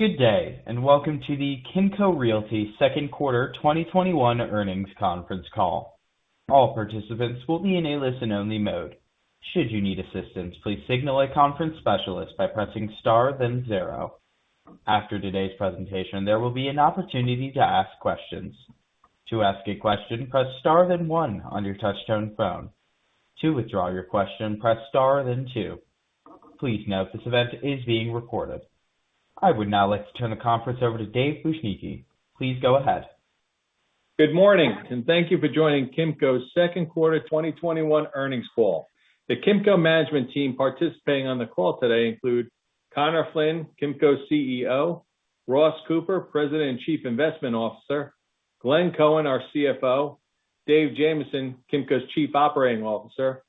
Good day. Welcome to the Kimco Realty second quarter 2021 earnings conference call. All participants will be in a listen-only mode. After today's presentation, there will be an opportunity to ask questions. Please note this event is being recorded. I would now like to turn the conference over to David Bujnicki. Please go ahead. Good morning, thank you for joining Kimco's second quarter 2021 earnings call. The Kimco management team participating on the call today include Conor Flynn, Kimco's CEO; Ross Cooper, President and Chief Investment Officer; Glenn Cohen, our CFO; David Jamieson, Kimco's Chief Operating Officer,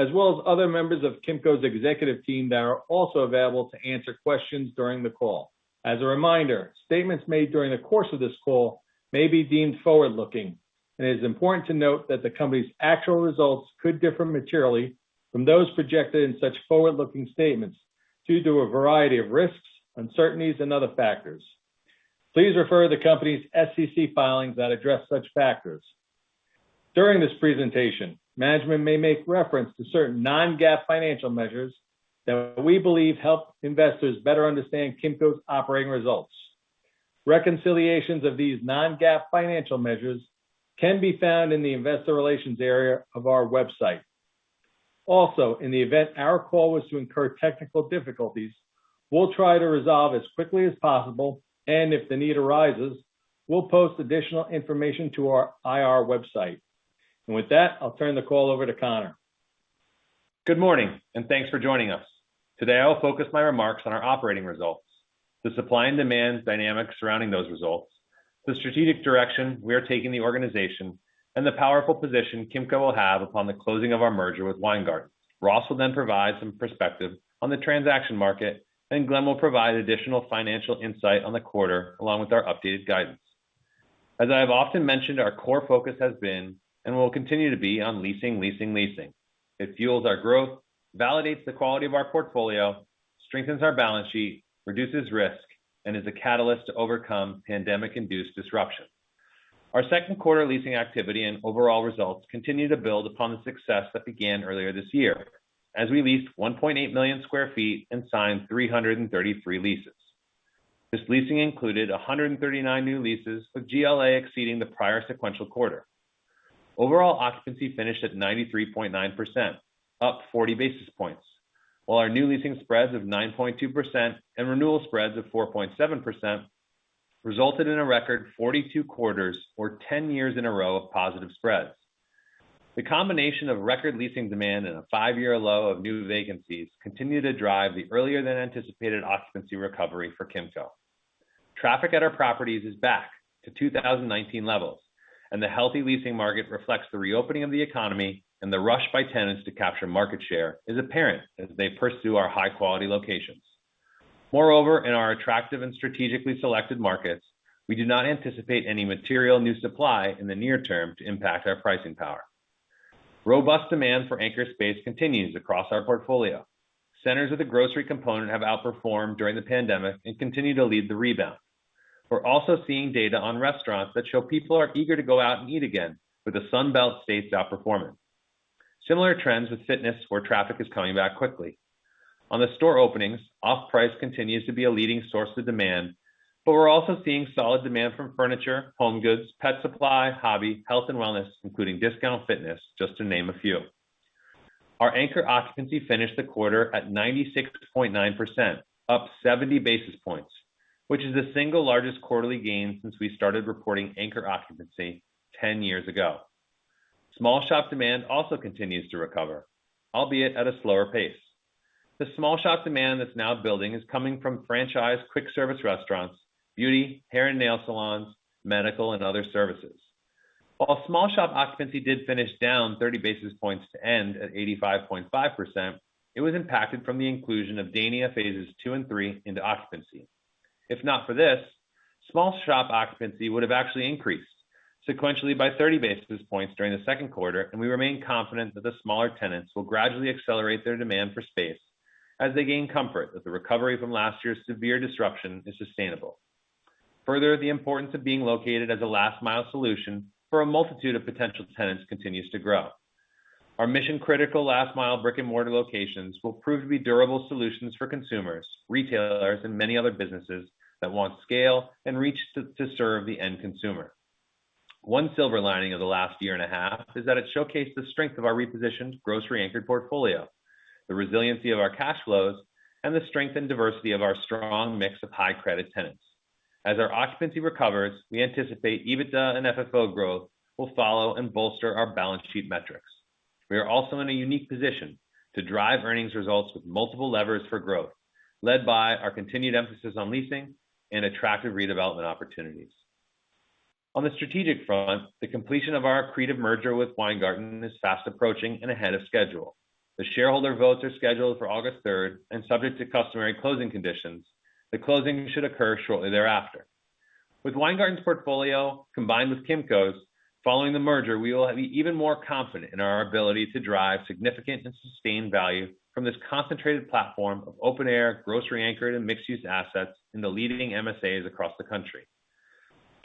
as well as other members of Kimco's executive team that are also available to answer questions during the call. As a reminder, statements made during the course of this call may be deemed forward-looking, and it is important to note that the company's actual results could differ materially from those projected in such forward-looking statements due to a variety of risks, uncertainties, and other factors. Please refer to the company's SEC filings that address such factors. During this presentation, management may make reference to certain non-GAAP financial measures that we believe help investors better understand Kimco's operating results. Reconciliations of these non-GAAP financial measures can be found in the investor relations area of our website. In the event our call was to incur technical difficulties, we'll try to resolve as quickly as possible, and if the need arises, we'll post additional information to our IR website. With that, I'll turn the call over to Conor. Good morning, and thanks for joining us. Today, I'll focus my remarks on our operating results, the supply and demand dynamics surrounding those results, the strategic direction we are taking the organization, and the powerful position Kimco will have upon the closing of our merger with Weingarten. Ross will provide some perspective on the transaction market, and Glenn will provide additional financial insight on the quarter, along with our updated guidance. As I have often mentioned, our core focus has been and will continue to be on leasing. It fuels our growth, validates the quality of our portfolio, strengthens our balance sheet, reduces risk, and is a catalyst to overcome pandemic-induced disruption. Our second quarter leasing activity and overall results continue to build upon the success that began earlier this year as we leased 1.8 million square feet and signed 333 leases. This leasing included 139 new leases, with GLA exceeding the prior sequential quarter. Overall occupancy finished at 93.9%, up 40 basis points, while our new leasing spreads of 9.2% and renewal spreads of 4.7% resulted in a record 42 quarters, or 10 years in a row of positive spreads. The combination of record leasing demand and a five-year low of new vacancies continue to drive the earlier than anticipated occupancy recovery for Kimco. Traffic at our properties is back to 2019 levels, and the healthy leasing market reflects the reopening of the economy and the rush by tenants to capture market share is apparent as they pursue our high-quality locations. Moreover, in our attractive and strategically selected markets, we do not anticipate any material new supply in the near term to impact our pricing power. Robust demand for anchor space continues across our portfolio. Centers with a grocery component have outperformed during the pandemic and continue to lead the rebound. We're also seeing data on restaurants that show people are eager to go out and eat again, with the Sun Belt states outperforming. Similar trends with fitness, where traffic is coming back quickly. On the store openings, off-price continues to be a leading source of demand, but we're also seeing solid demand from furniture, home goods, pet supply, hobby, health, and wellness, including discount fitness, just to name a few. Our anchor occupancy finished the quarter at 96.9%, up 70 basis points, which is the single largest quarterly gain since we started reporting anchor occupancy 10 years ago. Small shop demand also continues to recover, albeit at a slower pace. The small shop demand that's now building is coming from franchise quick service restaurants, beauty, hair, and nail salons, medical, and other services. While small shop occupancy did finish down 30 basis points to end at 85.5%, it was impacted from the inclusion of Dania phases II and III into occupancy. If not for this, small shop occupancy would have actually increased sequentially by 30 basis points during the second quarter, and we remain confident that the smaller tenants will gradually accelerate their demand for space as they gain comfort that the recovery from last year's severe disruption is sustainable. Further, the importance of being located as a last-mile solution for a multitude of potential tenants continues to grow. Our mission-critical last-mile brick-and-mortar locations will prove to be durable solutions for consumers, retailers, and many other businesses that want scale and reach to serve the end consumer. One silver lining of the last year and a half is that it showcased the strength of our repositioned grocery-anchored portfolio, the resiliency of our cash flows, and the strength and diversity of our strong mix of high credit tenants. As our occupancy recovers, we anticipate EBITDA and FFO growth will follow and bolster our balance sheet metrics. We are also in a unique position to drive earnings results with multiple levers for growth, led by our continued emphasis on leasing and attractive redevelopment opportunities. On the strategic front, the completion of our accretive merger with Weingarten is fast approaching and ahead of schedule. The shareholder votes are scheduled for August 3rd, and subject to customary closing conditions, the closing should occur shortly thereafter. With Weingarten's portfolio, combined with Kimco's, following the merger, we will be even more confident in our ability to drive significant and sustained value from this concentrated platform of open air, grocery anchored, and mixed-use assets in the leading MSAs across the country.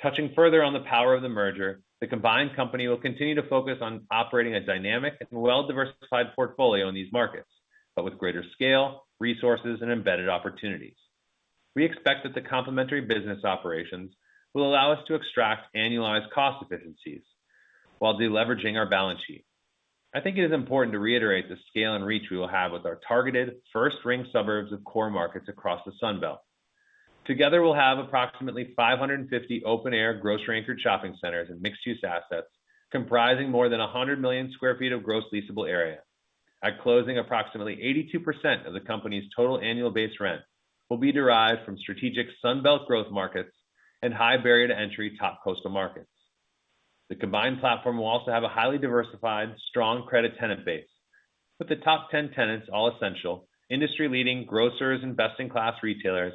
Touching further on the power of the merger, the combined company will continue to focus on operating a dynamic and well-diversified portfolio in these markets, but with greater scale, resources, and embedded opportunities. We expect that the complementary business operations will allow us to extract annualized cost efficiencies while de-leveraging our balance sheet. I think it is important to reiterate the scale and reach we will have with our targeted first-ring suburbs of core markets across the Sun Belt. Together, we'll have approximately 550 open air grocery anchored shopping centers and mixed use assets comprising more than 100 million sq ft of gross leasable area. At closing, approximately 82% of the company's total annual base rent will be derived from strategic Sun Belt growth markets and high barrier to entry top coastal markets. The combined platform will also have a highly diversified, strong credit tenant base, with the top 10 tenants all essential industry leading grocers, and best-in-class retailers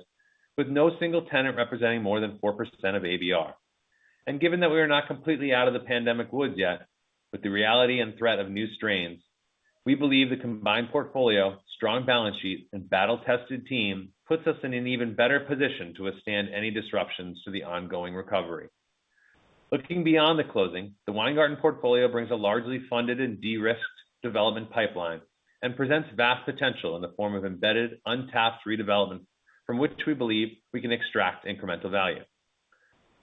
with no single tenant representing more than 4% of ABR. Given that we are not completely out of the pandemic woods yet, with the reality and threat of new strains, we believe the combined portfolio, strong balance sheet, and battle-tested team puts us in an even better position to withstand any disruptions to the ongoing recovery. Looking beyond the closing, the Weingarten portfolio brings a largely funded and de-risked development pipeline and presents vast potential in the form of embedded, untapped redevelopment from which we believe we can extract incremental value.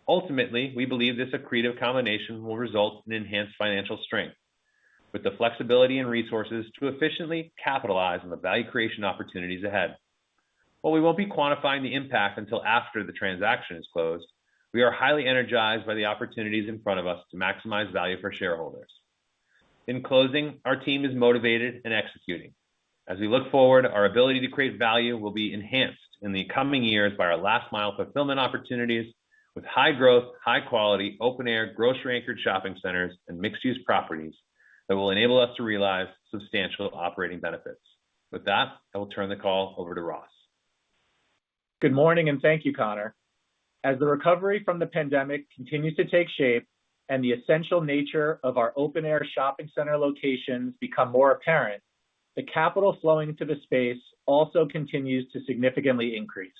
Ultimately, we believe this accretive combination will result in enhanced financial strength with the flexibility and resources to efficiently capitalize on the value creation opportunities ahead. While we won't be quantifying the impact until after the transaction is closed, we are highly energized by the opportunities in front of us to maximize value for shareholders. In closing, our team is motivated and executing. As we look forward, our ability to create value will be enhanced in the coming years by our last mile fulfillment opportunities with high growth, high quality, open air, grocery anchored shopping centers and mixed use properties that will enable us to realize substantial operating benefits. With that, I will turn the call over to Ross. Good morning, and thank you, Conor. As the recovery from the pandemic continues to take shape and the essential nature of our open-air shopping center locations become more apparent, the capital flowing into the space also continues to significantly increase.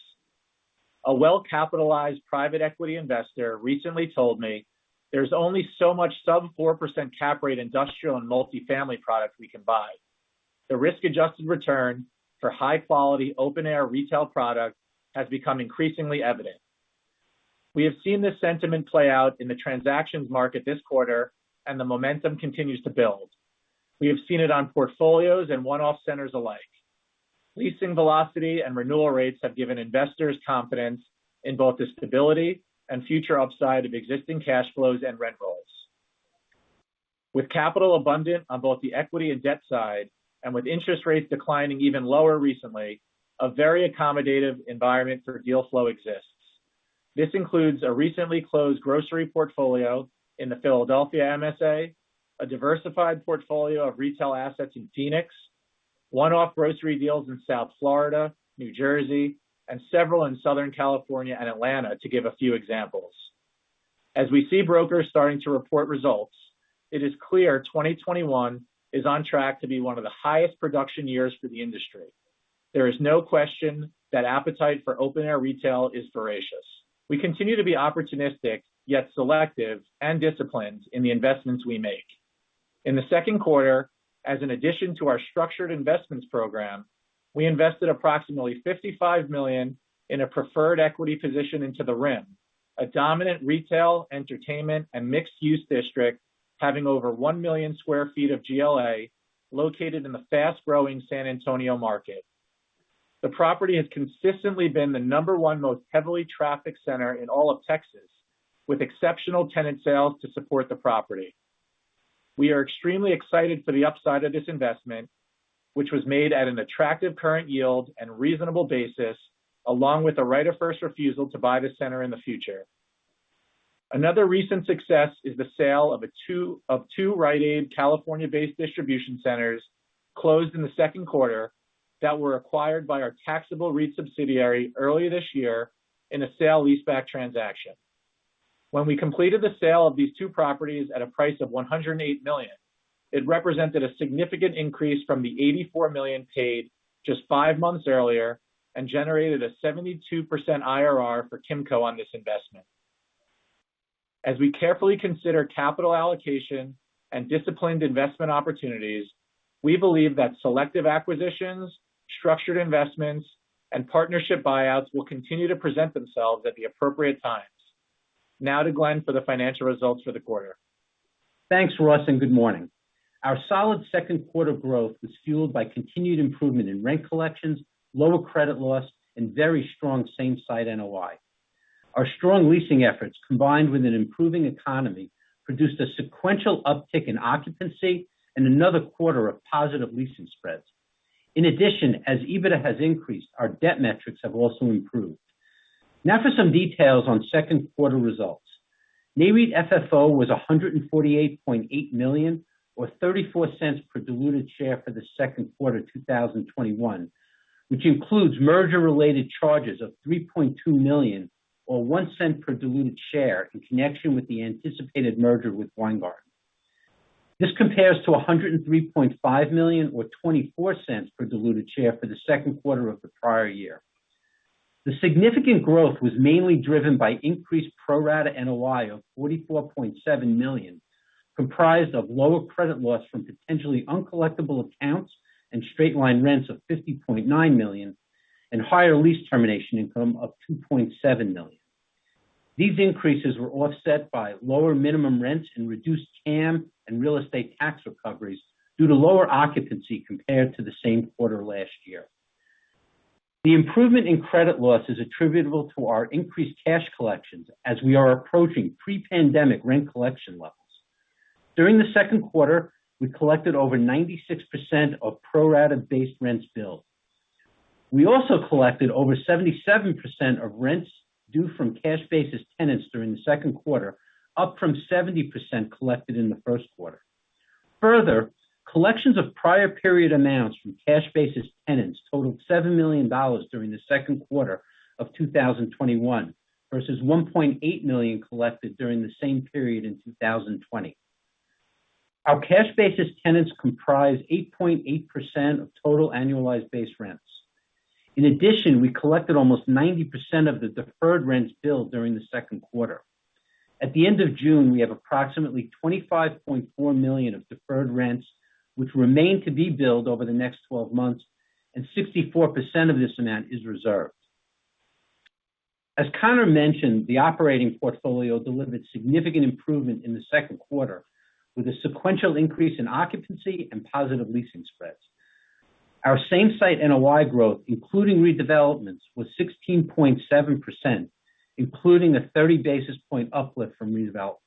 A well-capitalized private equity investor recently told me there's only so much sub 4% cap rate industrial and multifamily product we can buy. The risk-adjusted return for high-quality open-air retail product has become increasingly evident. We have seen this sentiment play out in the transactions market this quarter, and the momentum continues to build. We have seen it on portfolios and one-off centers alike. Leasing velocity and renewal rates have given investors confidence in both the stability and future upside of existing cash flows and rent rolls. With capital abundant on both the equity and debt side, and with interest rates declining even lower recently, a very accommodative environment for deal flow exists. This includes a recently closed grocery portfolio in the Philadelphia MSA, a diversified portfolio of retail assets in Phoenix, one-off grocery deals in South Florida, New Jersey, and several in Southern California and Atlanta, to give a few examples. As we see brokers starting to report results, it is clear 2021 is on track to be one of the highest production years for the industry. There is no question that appetite for open air retail is voracious. We continue to be opportunistic, yet selective and disciplined in the investments we make. In the second quarter, as an addition to our structured investments program, we invested approximately $55 million in a preferred equity position into the Rim, a dominant retail, entertainment, and mixed use district having over 1 million sq ft of GLA located in the fast-growing San Antonio market. The property has consistently been the number one most heavily trafficked center in all of Texas, with exceptional tenant sales to support the property. We are extremely excited for the upside of this investment, which was made at an attractive current yield and reasonable basis, along with a right of first refusal to buy the center in the future. Another recent success is the sale of two Rite Aid California-based distribution centers closed in the second quarter that were acquired by our taxable REIT subsidiary earlier this year in a sale leaseback transaction. When we completed the sale of these two properties at a price of $108 million, it represented a significant increase from the $84 million paid just five months earlier and generated a 72% IRR for Kimco on this investment. As we carefully consider capital allocation and disciplined investment opportunities, we believe that selective acquisitions, structured investments, and partnership buyouts will continue to present themselves at the appropriate times. Now to Glenn for the financial results for the quarter. Thanks, Ross, and good morning. Our solid second quarter growth was fueled by continued improvement in rent collections, lower credit loss, and very strong Same Site NOI. Our strong leasing efforts, combined with an improving economy, produced a sequential uptick in occupancy and another quarter of positive leasing spreads. In addition, as EBITDA has increased, our debt metrics have also improved. Now for some details on second quarter results. Nareit FFO was $148.8 million, or $0.34 per diluted share for the second quarter of 2021, which includes merger-related charges of $3.2 million, or $0.01 per diluted share in connection with the anticipated merger with Weingarten. This compares to $103.5 million, or $0.24 per diluted share for the second quarter of the prior year. The significant growth was mainly driven by increased pro rata NOI of $44.7 million, comprised of lower credit loss from potentially uncollectible accounts and straight-line rents of $50.9 million, and higher lease termination income of $2.7 million. These increases were offset by lower minimum rents and reduced CAM and real estate tax recoveries due to lower occupancy compared to the same quarter last year. The improvement in credit loss is attributable to our increased cash collections as we are approaching pre-pandemic rent collection levels. During the second quarter, we collected over 96% of pro rata base rents billed. We also collected over 77% of rents due from cash basis tenants during the second quarter, up from 70% collected in the first quarter. Further, collections of prior period amounts from cash basis tenants totaled $7 million during the second quarter of 2021 versus $1.8 million collected during the same period in 2020. Our cash basis tenants comprise 8.8% of total Annualized Base Rents. In addition, we collected almost 90% of the deferred rents billed during the second quarter. At the end of June, we have approximately $25.4 million of deferred rents which remain to be billed over the next 12 months, and 64% of this amount is reserved. As Conor mentioned, the operating portfolio delivered significant improvement in the second quarter with a sequential increase in occupancy and positive leasing spreads. Our Same Site NOI growth, including redevelopments, was 16.7%, including a 30 basis point uplift from redevelopments.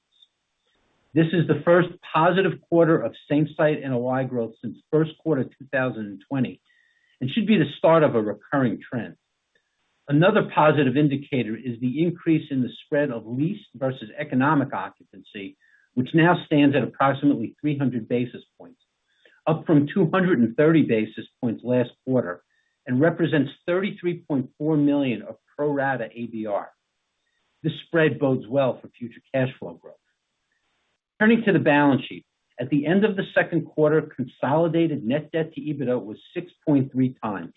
This is the first positive quarter of Same Site NOI growth since first quarter 2020 and should be the start of a recurring trend. Another positive indicator is the increase in the spread of leased versus economic occupancy, which now stands at approximately 300 basis points, up from 230 basis points last quarter, and represents $33.4 million of pro rata ABR. This spread bodes well for future cash flow growth. Turning to the balance sheet. At the end of the second quarter, consolidated net debt to EBITDA was 6.3x.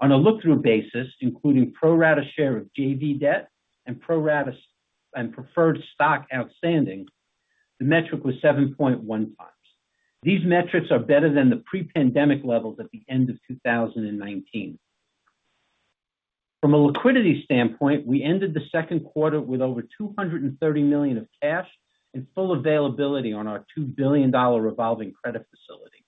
On a look-through basis, including pro rata share of JV debt and preferred stock outstanding, the metric was 7.1x. These metrics are better than the pre-pandemic levels at the end of 2019. From a liquidity standpoint, we ended the second quarter with over $230 million of cash and full availability on our $2 billion revolving credit facility.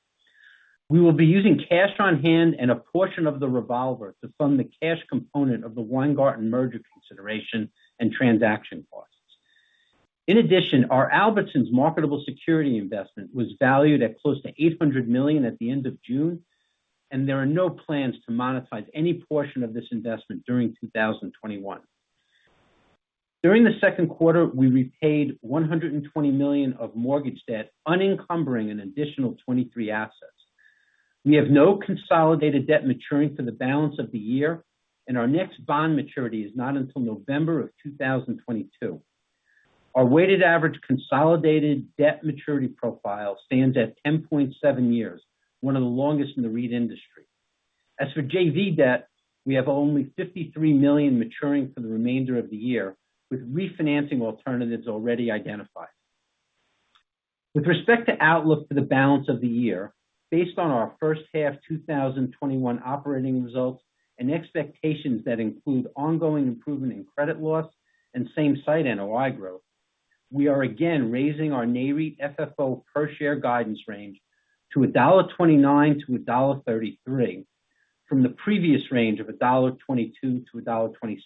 We will be using cash on hand and a portion of the revolver to fund the cash component of the Weingarten merger consideration and transaction costs. In addition, our Albertsons marketable security investment was valued at close to $800 million at the end of June, and there are no plans to monetize any portion of this investment during 2021. During the second quarter, we repaid $120 million of mortgage debt, unencumbering an additional 23 assets. We have no consolidated debt maturing for the balance of the year, and our next bond maturity is not until November of 2022. Our weighted average consolidated debt maturity profile stands at 10.7 years, one of the longest in the REIT industry. As for JV debt, we have only $53 million maturing for the remainder of the year, with refinancing alternatives already identified. With respect to outlook for the balance of the year, based on our first half 2021 operating results and expectations that include ongoing improvement in credit loss and Same Site NOI growth, we are again raising our Nareit FFO per share guidance range to $1.29-$1.33 from the previous range of $1.22-$1.26.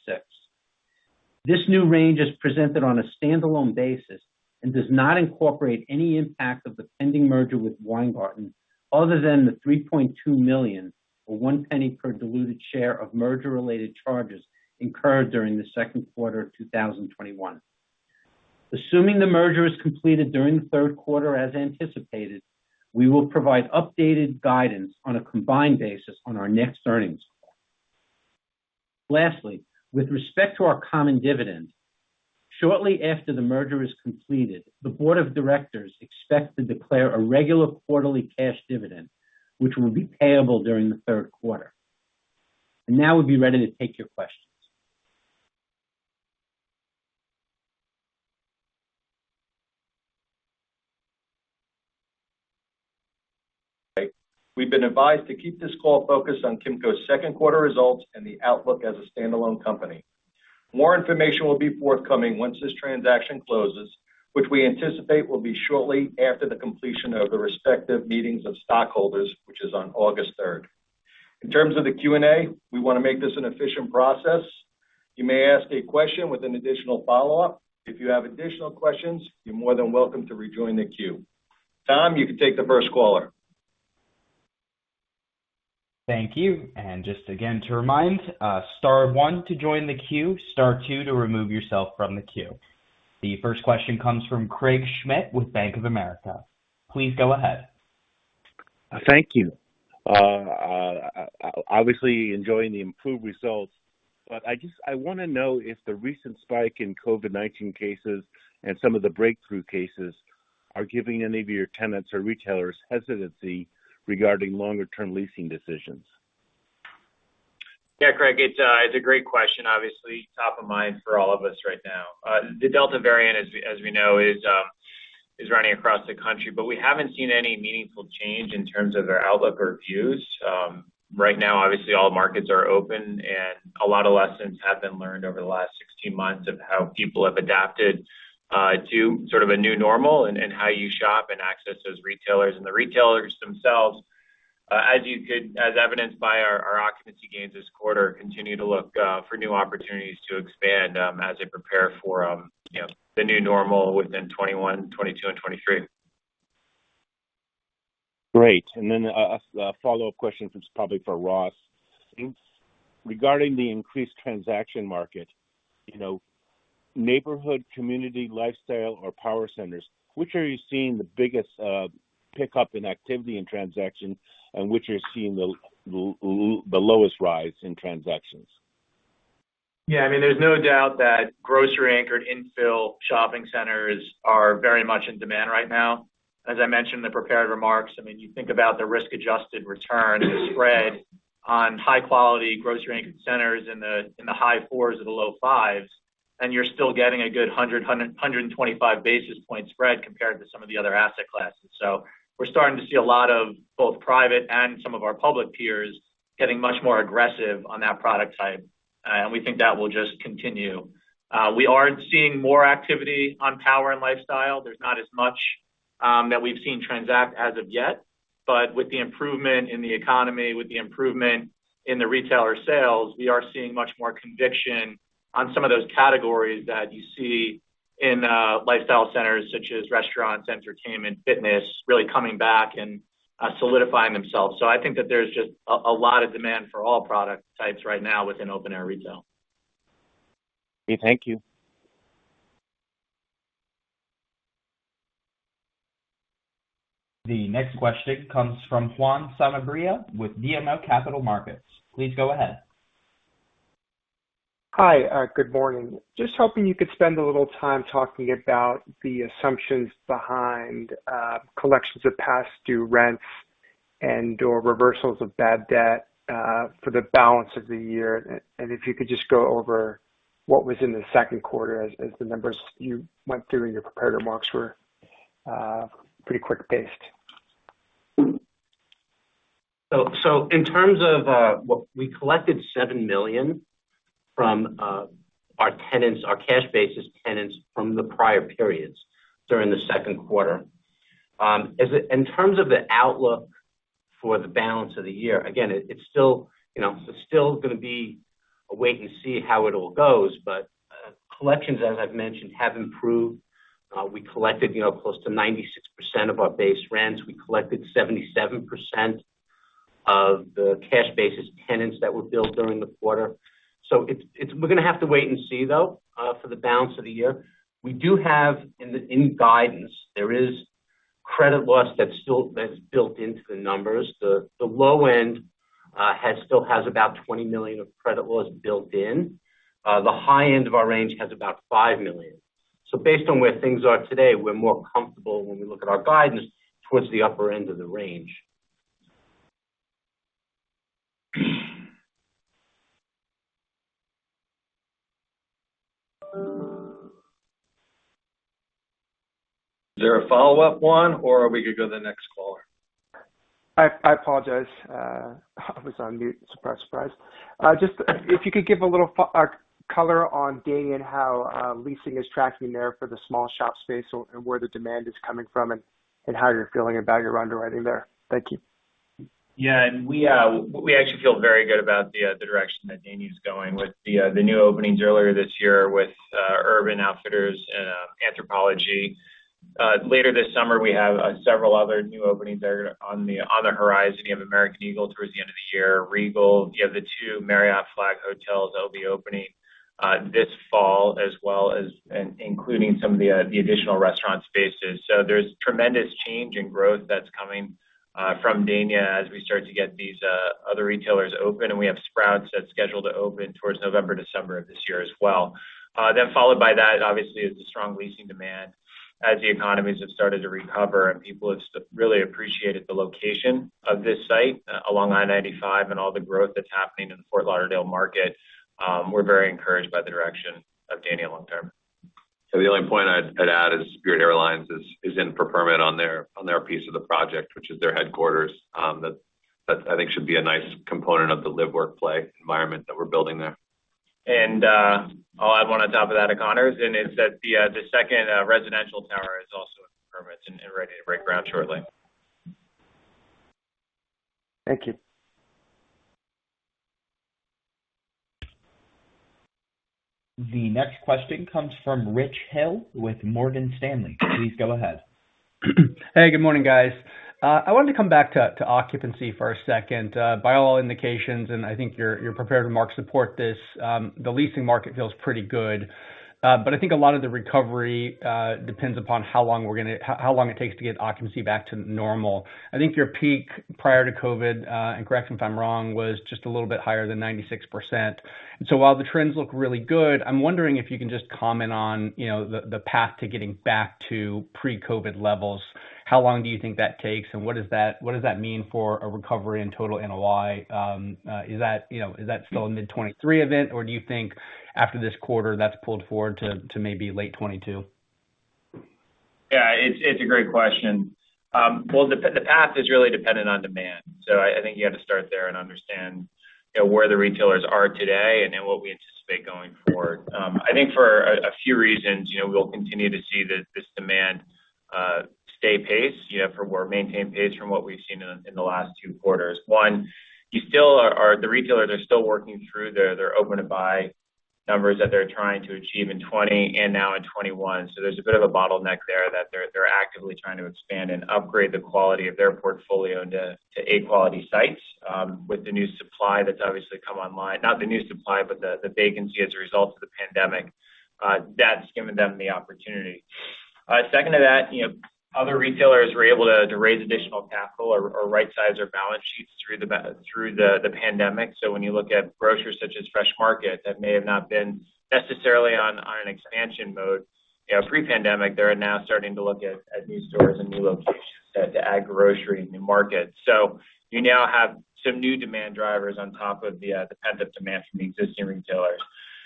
This new range is presented on a standalone basis and does not incorporate any impact of the pending merger with Weingarten other than the $3.2 million, or $0.01 per diluted share of merger-related charges incurred during the second quarter of 2021. Assuming the merger is completed during the third quarter as anticipated, we will provide updated guidance on a combined basis on our next earnings call. Lastly, with respect to our common dividend, shortly after the merger is completed, the board of directors expect to declare a regular quarterly cash dividend, which will be payable during the third quarter. Now we'd be ready to take your questions. We've been advised to keep this call focused on Kimco's second quarter results and the outlook as a standalone company. More information will be forthcoming once this transaction closes, which we anticipate will be shortly after the completion of the respective meetings of stockholders, which is on August 3rd. In terms of the Q&A, we want to make this an efficient process. You may ask a question with an additional follow-up. If you have additional questions, you're more than welcome to rejoin the queue. Tom, you can take the first caller. Thank you. Just again to remind, star one to join the queue, star 2 to remove yourself from the queue. The first question comes from Craig Schmidt with Bank of America. Please go ahead. Thank you. Obviously enjoying the improved results, I just want to know if the recent spike in COVID-19 cases and some of the breakthrough cases are giving any of your tenants or retailers hesitancy regarding longer-term leasing decisions? Yeah, Craig, it's a great question. Obviously, top of mind for all of us right now. The Delta variant, as we know, is running across the country. We haven't seen any meaningful change in terms of their outlook or views. Right now, obviously, all markets are open. A lot of lessons have been learned over the last 16 months of how people have adapted to sort of a new normal, how you shop and access those retailers. The retailers themselves, as evidenced by our occupancy gains this quarter, continue to look for new opportunities to expand as they prepare for the new normal within 2021, 2022, and 2023. Great. A follow-up question, this is probably for Ross. Regarding the increased transaction market, neighborhood, community, lifestyle or power centers, which are you seeing the biggest pickup in activity in transactions and which are you seeing the lowest rise in transactions? Yeah, there's no doubt that grocery anchored infill shopping centers are very much in demand right now. As I mentioned in the prepared remarks, you think about the risk-adjusted return, the spread on high quality grocery anchored centers in the high fours or the low fives, you're still getting a good 100, 125 basis point spread compared to some of the other asset classes. We're starting to see a lot of both private and some of our public peers getting much more aggressive on that product type. We think that will just continue. We are seeing more activity on power and lifestyle. There's not as much that we've seen transact as of yet. With the improvement in the economy, with the improvement in the retailer sales, we are seeing much more conviction on some of those categories that you see in lifestyle centers such as restaurants, entertainment, fitness, really coming back and solidifying themselves. I think that there's just a lot of demand for all product types right now within open-air retail. Okay, thank you. The next question comes from Juan Sanabria with BMO Capital Markets. Please go ahead. Hi, good morning. Just hoping you could spend a little time talking about the assumptions behind collections of past due rents and/or reversals of bad debt for the balance of the year. If you could just go over what was in the second quarter as the numbers you went through in your prepared remarks were pretty quick paced. In terms of we collected $7 million from our tenants, our cash basis tenants from the prior periods during the second quarter. In terms of the outlook for the balance of the year, again, it's still going to be a wait and see how it all goes. Collections, as I've mentioned, have improved. We collected close to 96% of our base rents. We collected 77% of the cash basis tenants that were billed during the quarter. We're going to have to wait and see, though, for the balance of the year. We do have in guidance, there is credit loss that's built into the numbers. The low end still has about $20 million of credit loss built in. The high end of our range has about $5 million. Based on where things are today, we're more comfortable when we look at our guidance towards the upper end of the range. Is there a follow-up, Juan, or we could go to the next caller? I apologize. I was on mute. Surprise, surprise. Just if you could give a little color on Dania and how leasing is tracking there for the small shop space and where the demand is coming from and how you're feeling about your underwriting there. Thank you. Yeah. We actually feel very good about the direction that Dania is going with the new openings earlier this year with Urban Outfitters, Anthropologie. Later this summer, we have several other new openings that are on the horizon. You have American Eagle towards the end of the year. Regal, you have the two Marriott Flag hotels that will be opening this fall, as well as including some of the additional restaurant spaces. There's tremendous change and growth that's coming from Dania as we start to get these other retailers open. We have Sprouts that's scheduled to open towards November, December of this year as well. Followed by that, obviously, is the strong leasing demand as the economies have started to recover and people have really appreciated the location of this site along I-95 and all the growth that's happening in the Fort Lauderdale market. We're very encouraged by the direction of Dania long term. The only point I'd add is Spirit Airlines is in for permit on their piece of the project, which is their headquarters. That I think should be a nice component of the live, work, play environment that we're building there. I'll add one on top of that, Conor, and it's that the second residential tower is also in permits and ready to break ground shortly. Thank you. The next question comes from Rich Hill with Morgan Stanley. Please go ahead. Hey, good morning, guys. I wanted to come back to occupancy for a second. By all indications, and I think your prepared remarks support this, the leasing market feels pretty good. I think a lot of the recovery depends upon how long it takes to get occupancy back to normal. I think your peak prior to COVID, and correct me if I'm wrong, was just a little bit higher than 96%. While the trends look really good, I'm wondering if you can just comment on the path to getting back to pre-COVID levels. How long do you think that takes, and what does that mean for a recovery in total NOI? Is that still a mid 2023 event, or do you think after this quarter that's pulled forward to maybe late 2022? Yeah. It's a great question. The path is really dependent on demand. I think you have to start there and understand where the retailers are today and then what we anticipate going forward. I think for a few reasons, we'll continue to see this demand stay pace, for more maintained pace from what we've seen in the last two quarters. One, the retailers are still working through their open-to-buy numbers that they're trying to achieve in 2020 and now in 2021. There's a bit of a bottleneck there that they're actively trying to expand and upgrade the quality of their portfolio into A quality sites with the new supply that's obviously come online. Not the new supply, but the vacancy as a result of the pandemic. That's given them the opportunity. Second to that, other retailers were able to raise additional capital or rightsize their balance sheets through the pandemic. When you look at grocers such as The Fresh Market, that may have not been necessarily on an expansion mode pre-pandemic, they are now starting to look at new stores and new locations to add grocery new markets. You now have some new demand drivers on top of the pent-up demand from the existing retailers.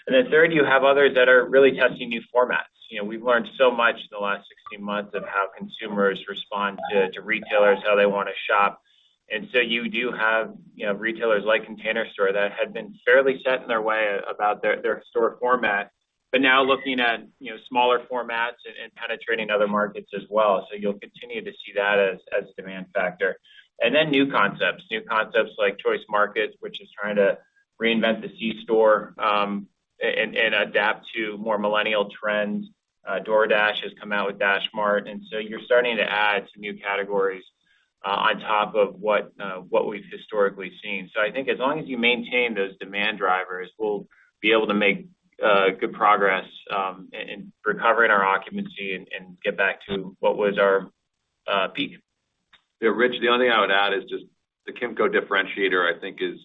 Third, you have others that are really testing new formats. We've learned so much in the last 16 months of how consumers respond to retailers, how they want to shop. You do have retailers like The Container Store that had been fairly set in their way about their store format, but now looking at smaller formats and penetrating other markets as well. You'll continue to see that as demand factor. Then new concepts. New concepts like Choice Market, which is trying to reinvent the C-store, and adapt to more millennial trends. DoorDash has come out with DashMart, you're starting to add some new categories on top of what we've historically seen. I think as long as you maintain those demand drivers, we'll be able to make good progress in recovering our occupancy and get back to what was our peak. Yeah, Rich, the only thing I would add is just the Kimco differentiator, I think is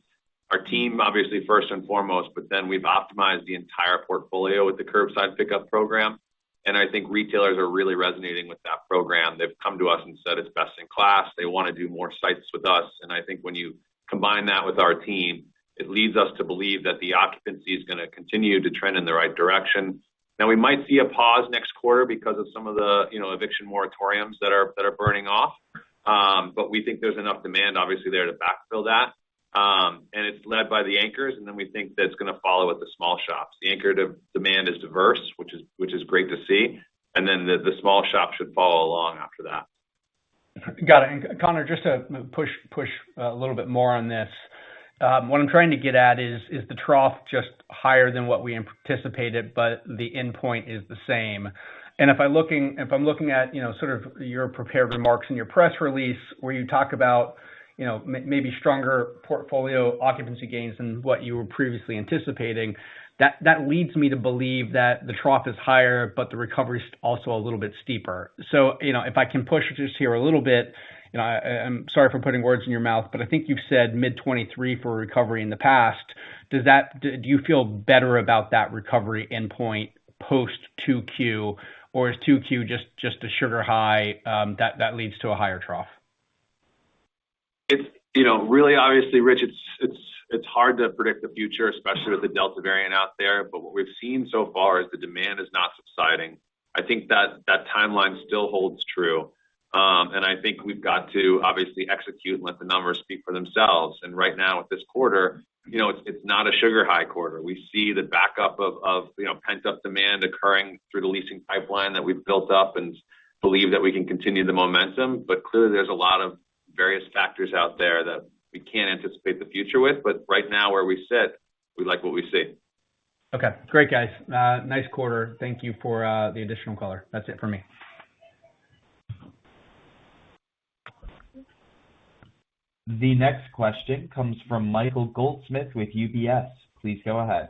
our team, obviously, first and foremost. We've optimized the entire portfolio with the curbside pickup program. I think retailers are really resonating with that program. They've come to us and said it's best in class. They want to do more sites with us. I think when you combine that with our team, it leads us to believe that the occupancy is going to continue to trend in the right direction. Now, we might see a pause next quarter because of some of the eviction moratoriums that are burning off. We think there's enough demand, obviously, there to backfill that. It's led by the anchors. We think that's going to follow with the small shops. The anchor demand is diverse, which is great to see, and then the small shops should follow along after that. Got it. Conor, just to push a little bit more on this. What I'm trying to get at is the trough just higher than what we anticipated, but the endpoint is the same? If I'm looking at sort of your prepared remarks in your press release where you talk about maybe stronger portfolio occupancy gains than what you were previously anticipating, that leads me to believe that the trough is higher, but the recovery is also a little bit steeper. If I can push just here a little bit, I'm sorry for putting words in your mouth, but I think you've said mid 2023 for a recovery in the past. Do you feel better about that recovery endpoint post 2Q, or is 2Q just a sugar high that leads to a higher trough? Really, obviously, Rich, it's hard to predict the future, especially with the Delta variant out there. What we've seen so far is the demand is not subsiding. I think that timeline still holds true. I think we've got to obviously execute and let the numbers speak for themselves. Right now with this quarter, it's not a sugar high quarter. We see the backup of pent-up demand occurring through the leasing pipeline that we've built up and believe that we can continue the momentum. Clearly there's a lot of various factors out there that we can't anticipate the future with. Right now where we sit, we like what we see. Okay. Great, guys. Nice quarter. Thank you for the additional color. That's it for me. The next question comes from Michael Goldsmith with UBS. Please go ahead.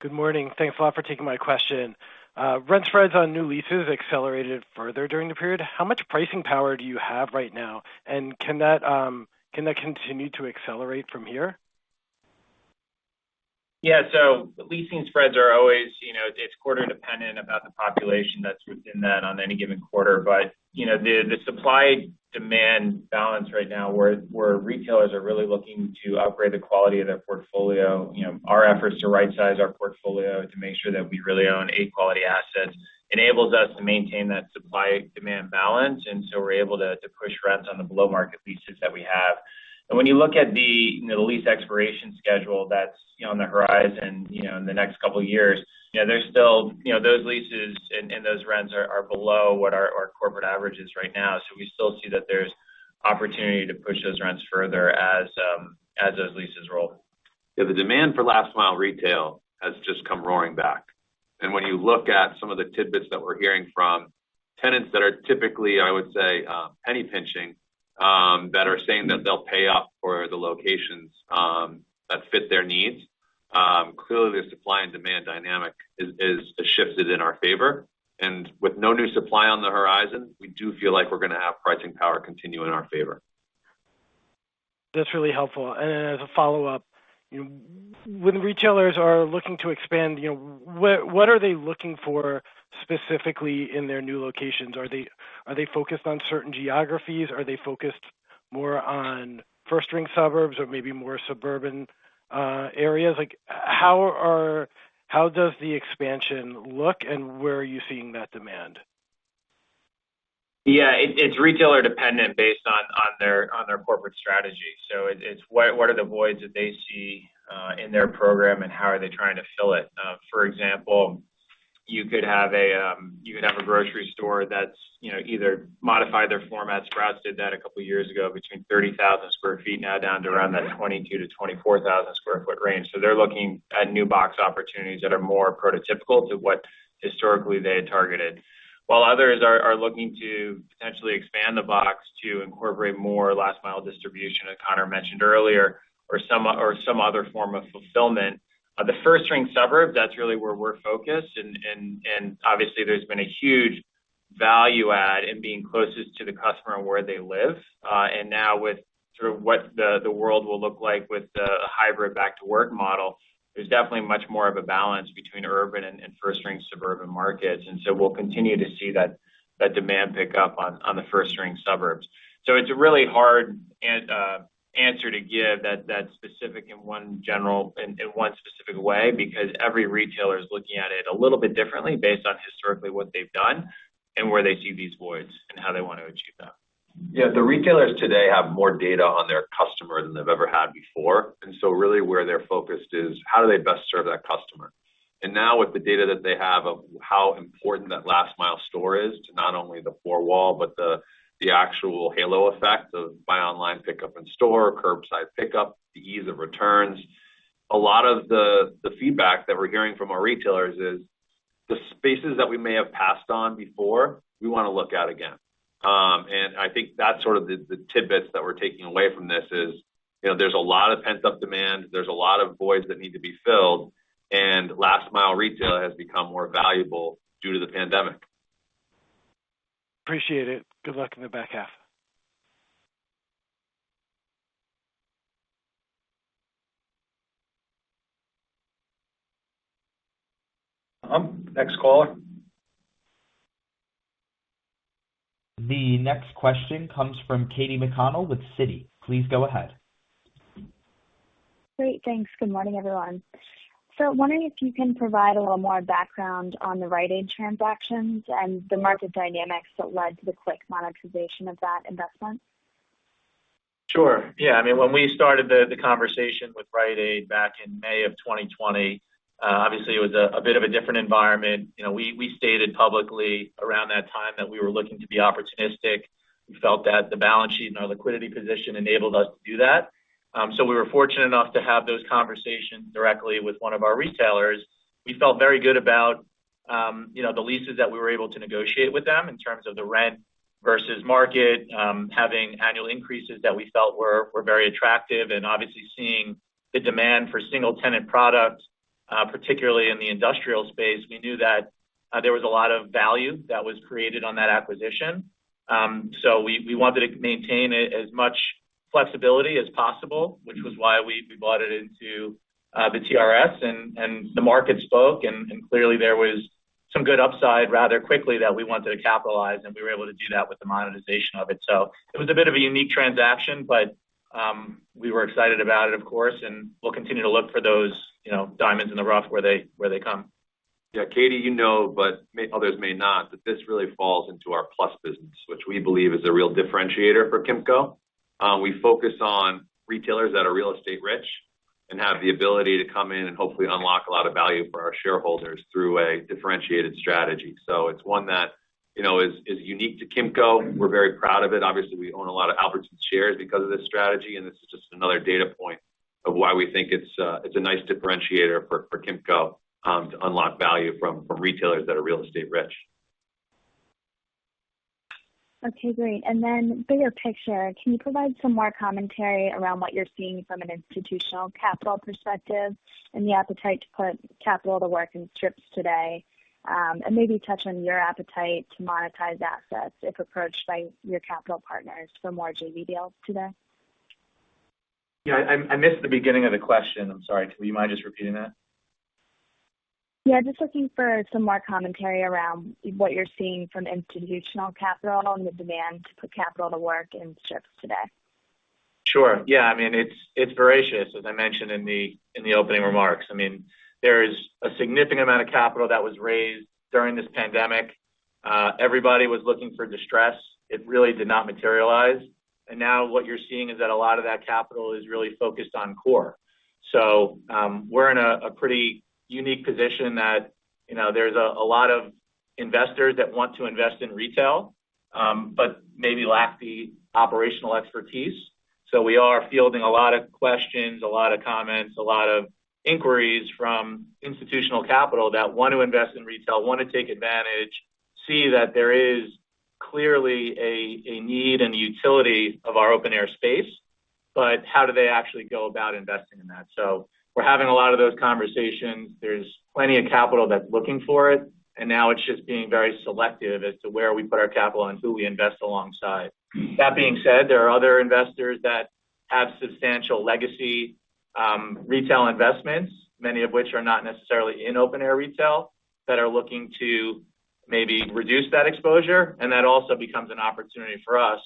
Good morning. Thanks a lot for taking my question. Rent spreads on new leases accelerated further during the period. How much pricing power do you have right now, and can that continue to accelerate from here? Yeah. Leasing spreads are always quarter dependent about the population that's within that on any given quarter. The supply-demand balance right now, where retailers are really looking to upgrade the quality of their portfolio, our efforts to rightsize our portfolio to make sure that we really own A quality assets, enables us to maintain that supply-demand balance. We're able to push rents on the below-market leases that we have. When you look at the lease expiration schedule that's on the horizon in the next couple of years, those leases and those rents are below what our corporate average is right now. We still see that there's opportunity to push those rents further as those leases roll. Yeah. The demand for last mile retail has just come roaring back. When you look at some of the tidbits that we're hearing from tenants that are typically, I would say, penny pinching, that are saying that they'll pay up for the locations that fit their needs. Clearly, the supply and demand dynamic has shifted in our favor, and with no new supply on the horizon, we do feel like we're going to have pricing power continue in our favor. That's really helpful. Then as a follow-up, when retailers are looking to expand, what are they looking for specifically in their new locations? Are they focused on certain geographies? Are they focused more on first-ring suburbs or maybe more suburban areas? How does the expansion look, and where are you seeing that demand? Yeah. It's retailer dependent based on their corporate strategy. It's what are the voids that they see in their program, and how are they trying to fill it? For example, you could have a grocery store that's either modified their format. Sprouts did that a couple of years ago, between 30,000 sq ft now down to around that 22,000-24,000 sq ft range. While others are looking to potentially expand the box to incorporate more last mile distribution, as Conor mentioned earlier, or some other form of fulfillment. The first-ring suburb, that's really where we're focused, and obviously there's been a huge value add in being closest to the customer and where they live. Now with sort of what the world will look like with the hybrid back to work model, there's definitely much more of a balance between urban and first-ring suburban markets. We'll continue to see that demand pick up on the first-ring suburbs. It's a really hard answer to give that's specific in one specific way, because every retailer is looking at it a little bit differently based on historically what they've done and where they see these voids and how they want to achieve them. Yeah. The retailers today have more data on their customer than they've ever had before, really where they're focused is how do they best serve that customer. Now with the data that they have of how important that last mile store is to not only the four wall but the actual halo effect of buy online, pick up in store, curbside pickup, the ease of returns. A lot of the feedback that we're hearing from our retailers is the spaces that we may have passed on before, we want to look at again. I think that's sort of the tidbits that we're taking away from this is, there's a lot of pent-up demand, there's a lot of voids that need to be filled, last mile retail has become more valuable due to the pandemic. Appreciate it. Good luck in the back half. Next caller. The next question comes from Katy McConnell with Citi. Please go ahead. Great. Thanks. Good morning, everyone. Wondering if you can provide a little more background on the Rite Aid transactions and the market dynamics that led to the quick monetization of that investment? Sure, yeah. When we started the conversation with Rite Aid back in May of 2020, obviously it was a bit of a different environment. We stated publicly around that time that we were looking to be opportunistic. We felt that the balance sheet and our liquidity position enabled us to do that. We were fortunate enough to have those conversations directly with one of our retailers. We felt very good about the leases that we were able to negotiate with them in terms of the rent versus market, having annual increases that we felt were very attractive, and obviously seeing the demand for single-tenant products, particularly in the industrial space. We knew that there was a lot of value that was created on that acquisition. We wanted to maintain as much flexibility as possible, which was why we bought it into the TRS, and the market spoke, and clearly there was some good upside rather quickly that we wanted to capitalize, and we were able to do that with the monetization of it. It was a bit of a unique transaction, but we were excited about it, of course, and we'll continue to look for those diamonds in the rough where they come. Yeah. Katy, you know, but others may not, that this really falls into our plus business, which we believe is a real differentiator for Kimco. We focus on retailers that are real estate rich and have the ability to come in and hopefully unlock a lot of value for our shareholders through a differentiated strategy. It's one that is unique to Kimco. We're very proud of it. Obviously, we own a lot of Albertsons shares because of this strategy, and this is just another data point of why we think it's a nice differentiator for Kimco to unlock value from retailers that are real estate rich. Okay, great. Bigger picture, can you provide some more commentary around what you're seeing from an institutional capital perspective and the appetite to put capital to work in strips today? Maybe touch on your appetite to monetize assets if approached by your capital partners for more JV deals today. Yeah, I missed the beginning of the question. I'm sorry. Do you mind just repeating that? Yeah, just looking for some more commentary around what you're seeing from institutional capital and the demand to put capital to work in strips today. Sure. Yeah, it's voracious, as I mentioned in the opening remarks. There is a significant amount of capital that was raised during this pandemic. Everybody was looking for distress. It really did not materialize. Now what you're seeing is that a lot of that capital is really focused on core. So, we're in a pretty unique position that there's a lot of investors that want to invest in retail, but maybe lack the operational expertise. We are fielding a lot of questions, a lot of comments, a lot of inquiries from institutional capital that want to invest in retail, want to take advantage, see that there is clearly a need and a utility of our open air space. How do they actually go about investing in that? We're having a lot of those conversations. There's plenty of capital that's looking for it, now it's just being very selective as to where we put our capital and who we invest alongside. That being said, there are other investors that have substantial legacy retail investments, many of which are not necessarily in open air retail, that are looking to maybe reduce that exposure, that also becomes an opportunity for us.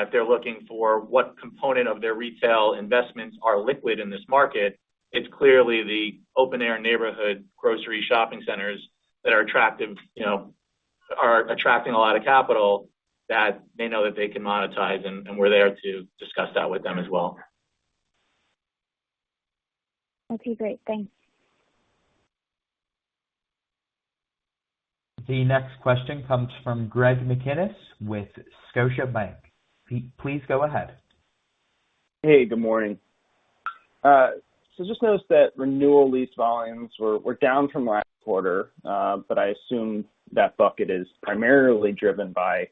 If they're looking for what component of their retail investments are liquid in this market, it's clearly the open air neighborhood grocery shopping centers that are attracting a lot of capital that they know that they can monetize, we're there to discuss that with them as well. Okay, great. Thanks. The next question comes from Greg McGinniss with Scotiabank. Please go ahead. Hey, good morning. Just noticed that renewal lease volumes were down from last quarter, but I assume that bucket is primarily driven by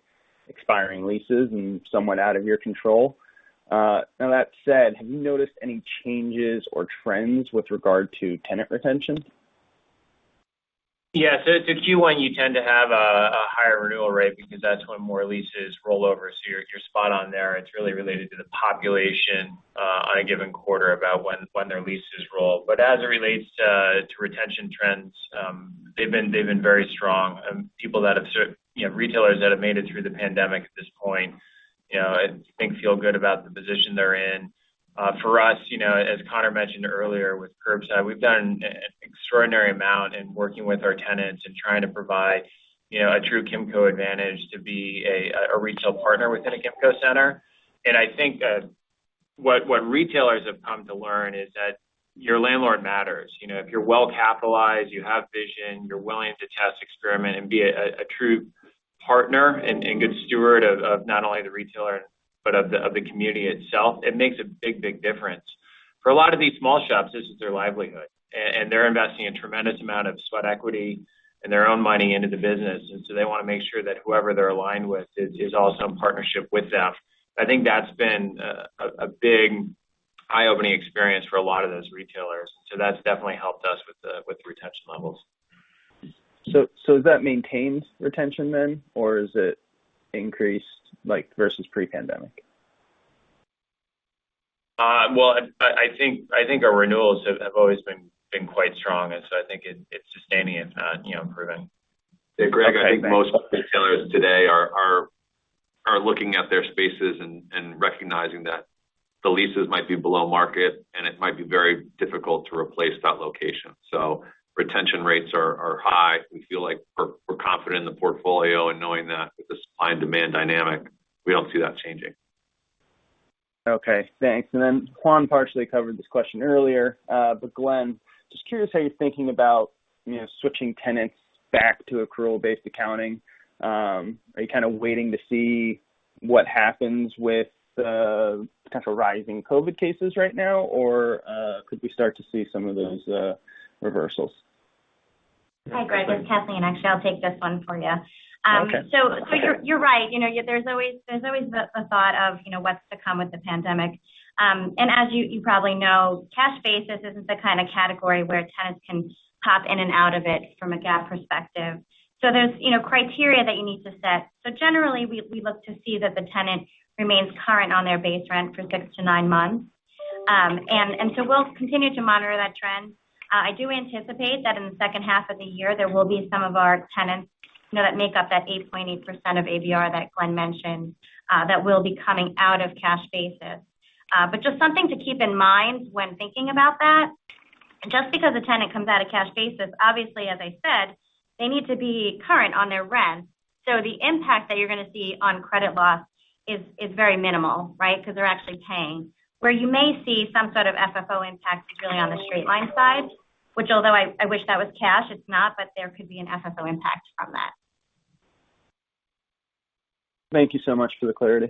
expiring leases and somewhat out of your control. Now, that said, have you noticed any changes or trends with regard to tenant retention? Yeah. At the Q1, you tend to have a higher renewal rate because that's when more leases roll over. You're spot on there. It's really related to the population on a given quarter about when their leases roll. As it relates to retention trends, they've been very strong. Retailers that have made it through the pandemic at this point, I think, feel good about the position they're in. For us, as Conor mentioned earlier with curbside, we've done an extraordinary amount in working with our tenants and trying to provide a true Kimco advantage to be a retail partner within a Kimco center. I think what retailers have come to learn is that your landlord matters. If you're well capitalized, you have vision, you're willing to test, experiment, and be a true partner and good steward of not only the retailer but of the community itself, it makes a big, big difference. For a lot of these small shops, this is their livelihood, and they're investing a tremendous amount of sweat equity and their own money into the business. They want to make sure that whoever they're aligned with is also in partnership with them. I think that's been a big eye-opening experience for a lot of those retailers. That's definitely helped us with retention levels. Has that maintained retention then, or is it increased versus pre-pandemic? Well, I think our renewals have always been quite strong, and so I think it's sustaining. It's not improving. Okay, thanks. Hey, Greg. I think most retailers today are looking at their spaces and recognizing that the leases might be below market, and it might be very difficult to replace that location. Retention rates are high. We feel like we're confident in the portfolio and knowing that with the supply and demand dynamic, we don't see that changing. Okay, thanks. Juan partially covered this question earlier. Glenn, just curious how you're thinking about switching tenants back to accrual-based accounting. Are you kind of waiting to see what happens with the potential rising COVID cases right now, or could we start to see some of those reversals? Hi, Greg, it's Kathleen. Actually, I'll take this one for you. Okay. You're right. There's always the thought of what's to come with the pandemic. As you probably know, cash basis isn't the kind of category where tenants can pop in and out of it from a GAAP perspective. There's criteria that you need to set. Generally, we look to see that the tenant remains current on their base rent for six to nine months. We'll continue to monitor that trend. I do anticipate that in the second half of the year, there will be some of our tenants that make up that 8.8% of ABR that Glenn mentioned that will be coming out of cash basis. Just something to keep in mind when thinking about that, just because a tenant comes out of cash basis, obviously, as I said, they need to be current on their rent. The impact that you're going to see on credit loss is very minimal, right? They're actually paying. Where you may see some sort of FFO impact is really on the straight line side, which although I wish that was cash, it's not, but there could be an FFO impact from that. Thank you so much for the clarity.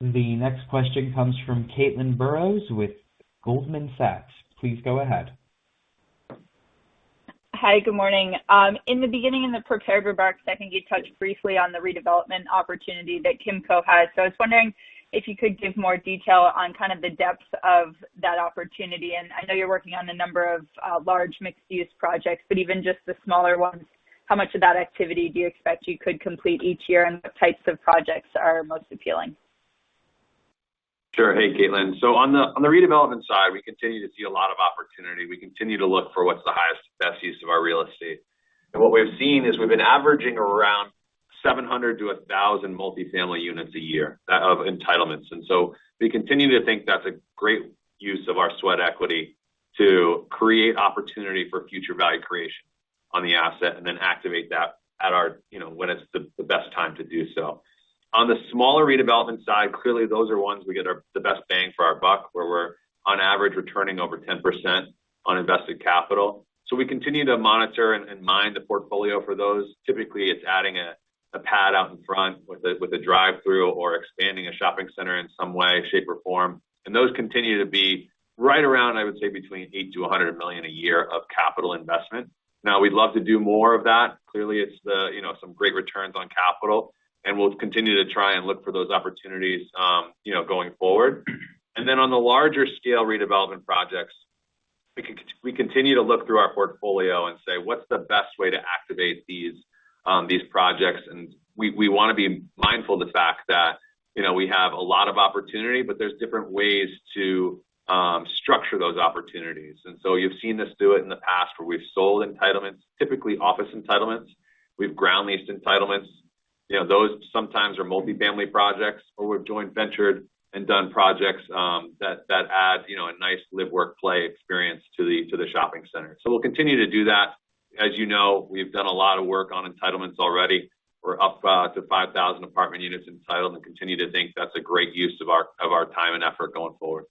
The next question comes from Caitlin Burrows with Goldman Sachs. Please go ahead. Hi, good morning. In the beginning, in the prepared remarks, I think you touched briefly on the redevelopment opportunity that Kimco has. I was wondering if you could give more detail on kind of the depth of that opportunity. I know you're working on a number of large mixed-use projects, but even just the smaller ones, how much of that activity do you expect you could complete each year, and what types of projects are most appealing? Sure. Hey, Caitlin. On the redevelopment side, we continue to see a lot of opportunity. We continue to look for what's the highest, best use of our real estate. What we've seen is we've been averaging around 700-1,000 multifamily units a year of entitlements. We continue to think that's a great use of our sweat equity to create opportunity for future value creation. On the asset and then activate that when it's the best time to do so. On the smaller redevelopment side, clearly those are ones we get the best bang for our buck, where we're on average returning over 10% on invested capital. We continue to monitor and mind the portfolio for those. Typically, it's adding a pad out in front with a drive-through or expanding a shopping center in some way, shape, or form. Those continue to be right around, I would say, between $80 million-$100 million a year of capital investment. Now, we'd love to do more of that. Clearly, it's some great returns on capital, and we'll continue to try and look for those opportunities going forward. On the larger scale redevelopment projects, we continue to look through our portfolio and say, what's the best way to activate these projects? We want to be mindful of the fact that we have a lot of opportunity, but there's different ways to structure those opportunities. You've seen us do it in the past where we've sold entitlements, typically office entitlements. We've ground leased entitlements. Those sometimes are multi-family projects where we've joint ventured and done projects that add a nice live-work-play experience to the shopping center. We'll continue to do that. As you know, we've done a lot of work on entitlements already. We're up to 5,000 apartment units entitled and continue to think that's a great use of our time and effort going forward.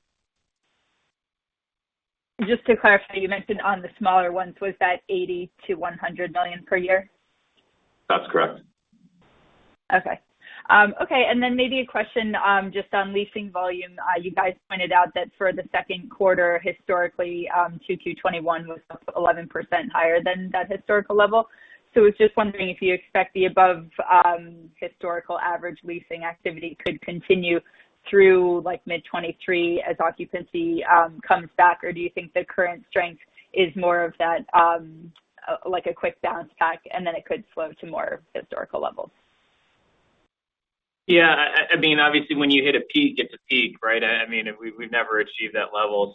Just to clarify, you mentioned on the smaller ones, was that $80 million-$100 million per year? That's correct. Okay. Maybe a question just on leasing volume. You guys pointed out that for the second quarter, historically, Q2 2021 was up 11% higher than that historical level. I was just wondering if you expect the above historical average leasing activity could continue through mid 2023 as occupancy comes back, or do you think the current strength is more of that, like a quick bounce back, and then it could slow to more historical levels? Yeah. Obviously, when you hit a peak, it's a peak, right? We've never achieved that level.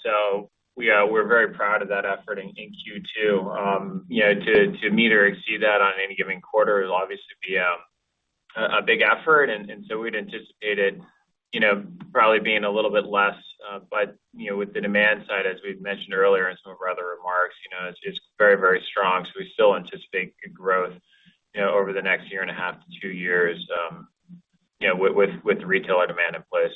We're very proud of that effort in Q2. To meet or exceed that on any given quarter would obviously be a big effort, and so we'd anticipated probably being a little bit less. With the demand side, as we've mentioned earlier in some of our other remarks, it's very strong. We still anticipate good growth over the next one and a half to two years with the retailer demand in place.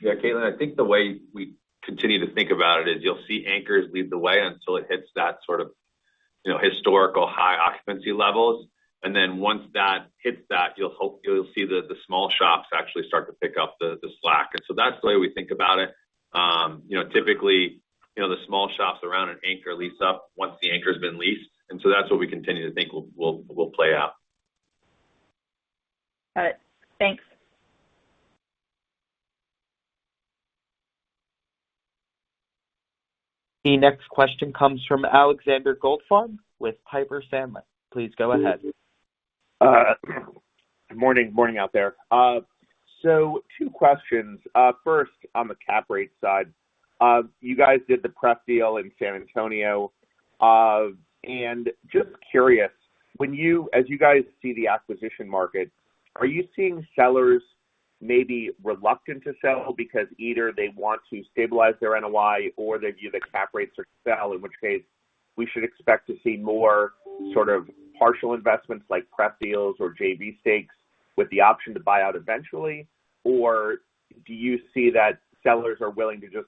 Yeah, Caitlin, I think the way we continue to think about it is you will see anchors lead the way until it hits that sort of historical high occupancy levels. Once that hits that, you will see the small shops actually start to pick up the slack. That's the way we think about it. Typically, the small shops around an anchor lease up once the anchor's been leased. That's what we continue to think will play out. Got it. Thanks. The next question comes from Alexander Goldfarb with Piper Sandler. Please go ahead. Good morning out there. Two questions. First, on the cap rate side. You guys did the PREP deal in San Antonio. Just curious, as you guys see the acquisition market, are you seeing sellers maybe reluctant to sell because either they want to stabilize their NOI or they view the cap rates are set, in which case we should expect to see more sort of partial investments like PREP deals or JV stakes with the option to buy out eventually? Do you see that sellers are willing to just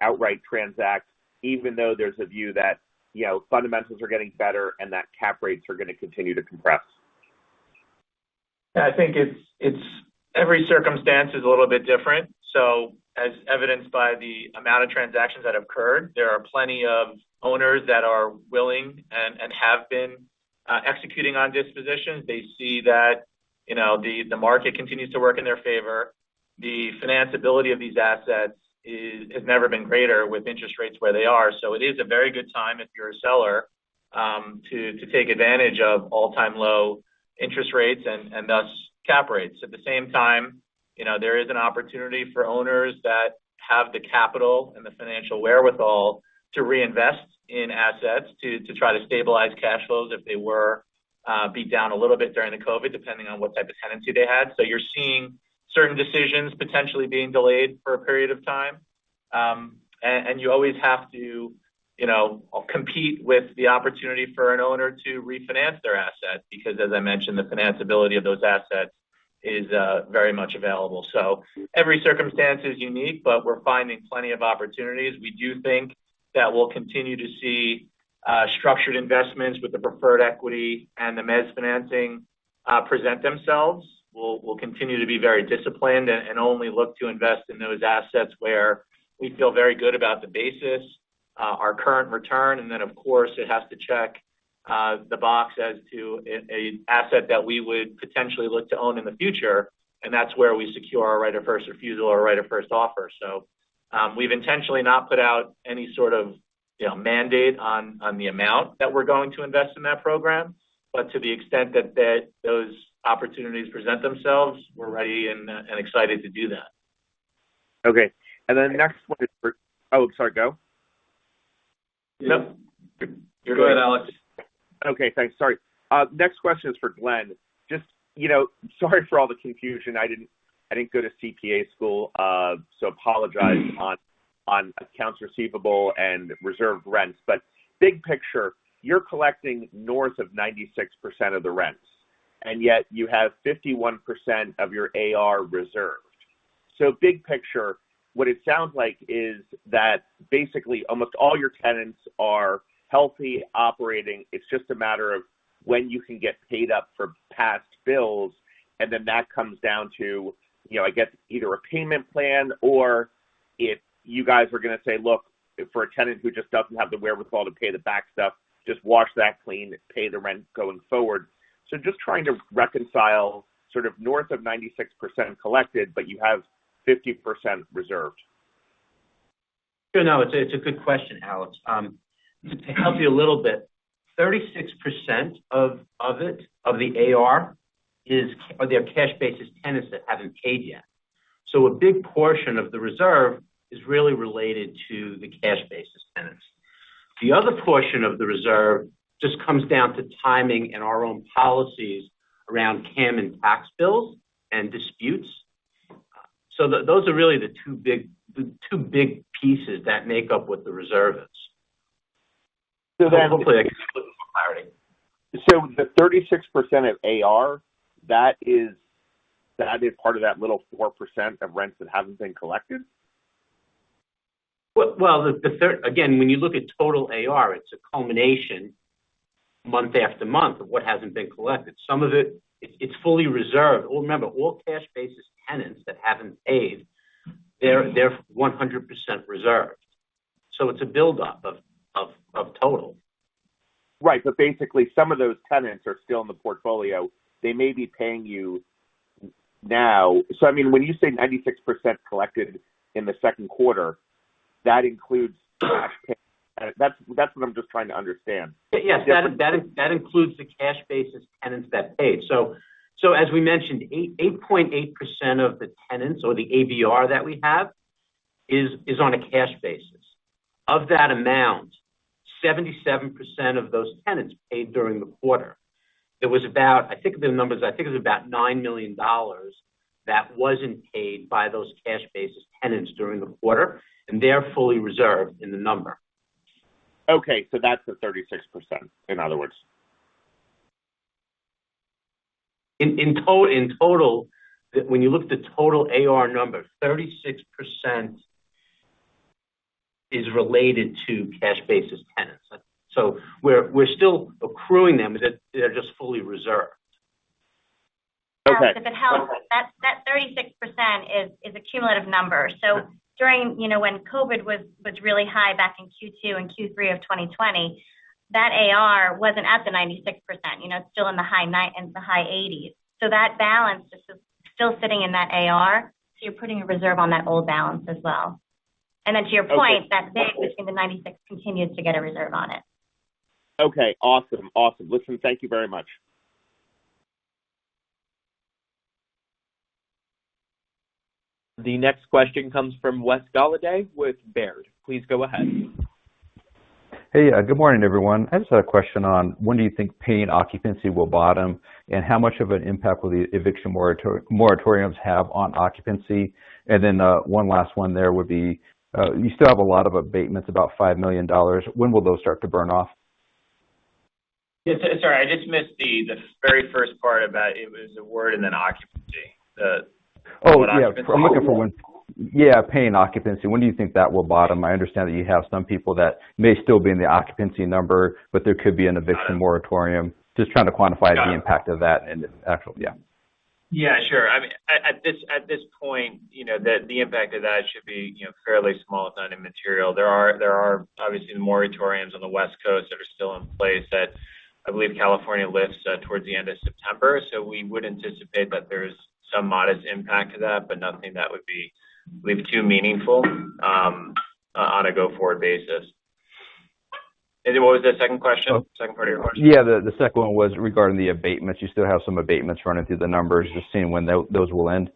outright transact, even though there's a view that fundamentals are getting better and that cap rates are going to continue to compress? I think every circumstance is a little bit different. As evidenced by the amount of transactions that occurred, there are plenty of owners that are willing and have been executing on dispositions. They see that the market continues to work in their favor. The financability of these assets has never been greater with interest rates where they are. It is a very good time if you're a seller to take advantage of all-time low interest rates and thus cap rates. At the same time, there is an opportunity for owners that have the capital and the financial wherewithal to reinvest in assets to try to stabilize cash flows if they were beat down a little bit during the COVID, depending on what type of tenancy they had. You're seeing certain decisions potentially being delayed for a period of time. You always have to compete with the opportunity for an owner to refinance their asset because, as I mentioned, the financability of those assets is very much available. Every circumstance is unique, but we're finding plenty of opportunities. We do think that we'll continue to see structured investments with the preferred equity and the mezz financing present themselves. We'll continue to be very disciplined and only look to invest in those assets where we feel very good about the basis, our current return, and then, of course, it has to check the box as to an asset that we would potentially look to own in the future, and that's where we secure our right of first refusal or right of first offer. We've intentionally not put out any sort of mandate on the amount that we're going to invest in that program. To the extent that those opportunities present themselves, we're ready and excited to do that. Okay. Oh, sorry. Go. No. You're good, Alex. Okay. Thanks. Sorry. Next question is for Glenn. Sorry for all the confusion. I didn't go to CPA school, apologize On accounts receivable and reserved rents. Big picture, you're collecting north of 96% of the rents, and yet you have 51% of your AR reserved. Big picture, what it sounds like is that basically almost all your tenants are healthy, operating. It's just a matter of when you can get paid up for past bills, that comes down to, I guess, either a payment plan or if you guys are going to say, look, for a tenant who just doesn't have the wherewithal to pay the back stuff, just wash that clean, pay the rent going forward. Just trying to reconcile north of 96% collected, but you have 50% reserved. No. It's a good question, Alex. To help you a little bit, 36% of it, of the AR, they are cash basis tenants that haven't paid yet. A big portion of the reserve is really related to the cash basis tenants. The other portion of the reserve just comes down to timing and our own policies around CAM and tax bills and disputes. Those are really the two big pieces that make up what the reserve is. So then- Hopefully that's clear and providing. The 36% of AR, that is part of that little 4% of rents that haven't been collected? Well, again, when you look at total AR, it's a culmination month after month of what hasn't been collected. Some of it's fully reserved. Well, remember, all cash basis tenants that haven't paid, they're 100% reserved. It's a buildup of total. Right. Basically, some of those tenants are still in the portfolio. They may be paying you now. I mean, when you say 96% collected in the second quarter, that includes cash payments. That's what I'm just trying to understand. Yes. That includes the cash basis tenants that paid. As we mentioned, 8.8% of the tenants or the ABR that we have is on a cash basis. Of that amount, 77% of those tenants paid during the quarter. It was about, I think the number is about $9 million that wasn't paid by those cash basis tenants during the quarter, and they're fully reserved in the number. Okay. That's the 36%, in other words. In total, when you look at the total AR number, 36% is related to cash basis tenants. We're still accruing them. They're just fully reserved. Okay. If it helps, that 36% is a cumulative number. During, when COVID was really high back in Q2 and Q3 of 2020, that AR wasn't at the 96%, still in the high 80s. That balance is still sitting in that AR, so you're putting a reserve on that old balance as well. To your point, that 36% and the 96% continues to get a reserve on it. Okay. Awesome. Listen, thank you very much. The next question comes from Wes Golladay with Baird. Please go ahead. Hey. Good morning, everyone. I just had a question on when do you think paying occupancy will bottom. How much of an impact will the eviction moratoriums have on occupancy? One last one there would be, you still have a lot of abatements, about $5 million. When will those start to burn off? Yeah. Sorry, I just missed the very first part about it was a word and then occupancy. Oh, yeah. I'm looking for. Oh Yeah, paying occupancy. When do you think that will bottom? I understand that you have some people that may still be in the occupancy number, but there could be an eviction moratorium. Just trying to quantify. Got it. the impact of that and the actual. Yeah. Yeah, sure. At this point, the impact of that should be fairly small to none and material. There are obviously the moratoriums on the West Coast that are still in place that I believe California lifts towards the end of September. We would anticipate that there's some modest impact to that, but nothing that would be, I believe, too meaningful on a go-forward basis. Alexander, what was the second question? Second part of your question. Yeah, the second one was regarding the abatements. You still have some abatements running through the numbers. Just seeing when those will end.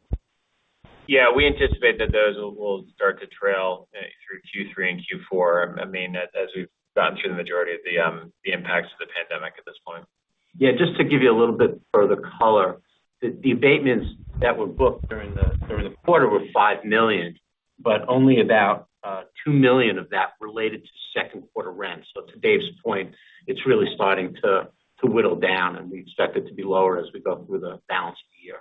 We anticipate that those will start to trail through Q3 and Q4. As we've gotten through the majority of the impacts of the pandemic at this point. Yeah, just to give you a little bit further color. The abatements that were booked during the quarter were $5 million, but only about $2 million of that related to second quarter rent. To Dave's point, it's really starting to whittle down, and we expect it to be lower as we go through the balance of the year.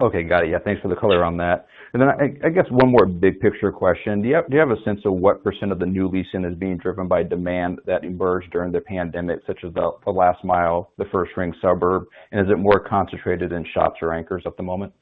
Okay. Got it. Yeah, thanks for the color on that. I guess one more big picture question. Do you have a sense of what percent of the new leasing is being driven by demand that emerged during the pandemic, such as the last mile, the first ring suburb? Is it more concentrated in shops or anchors at the moment?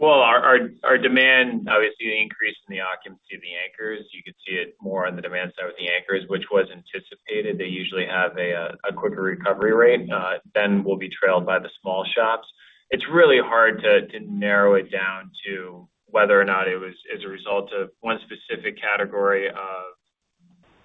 Our demand, obviously an increase in the occupancy of the anchors. You could see it more on the demand side with the anchors, which was anticipated. They usually have a quicker recovery rate, then will be trailed by the small shops. It's really hard to narrow it down to whether or not it was as a result of one specific category of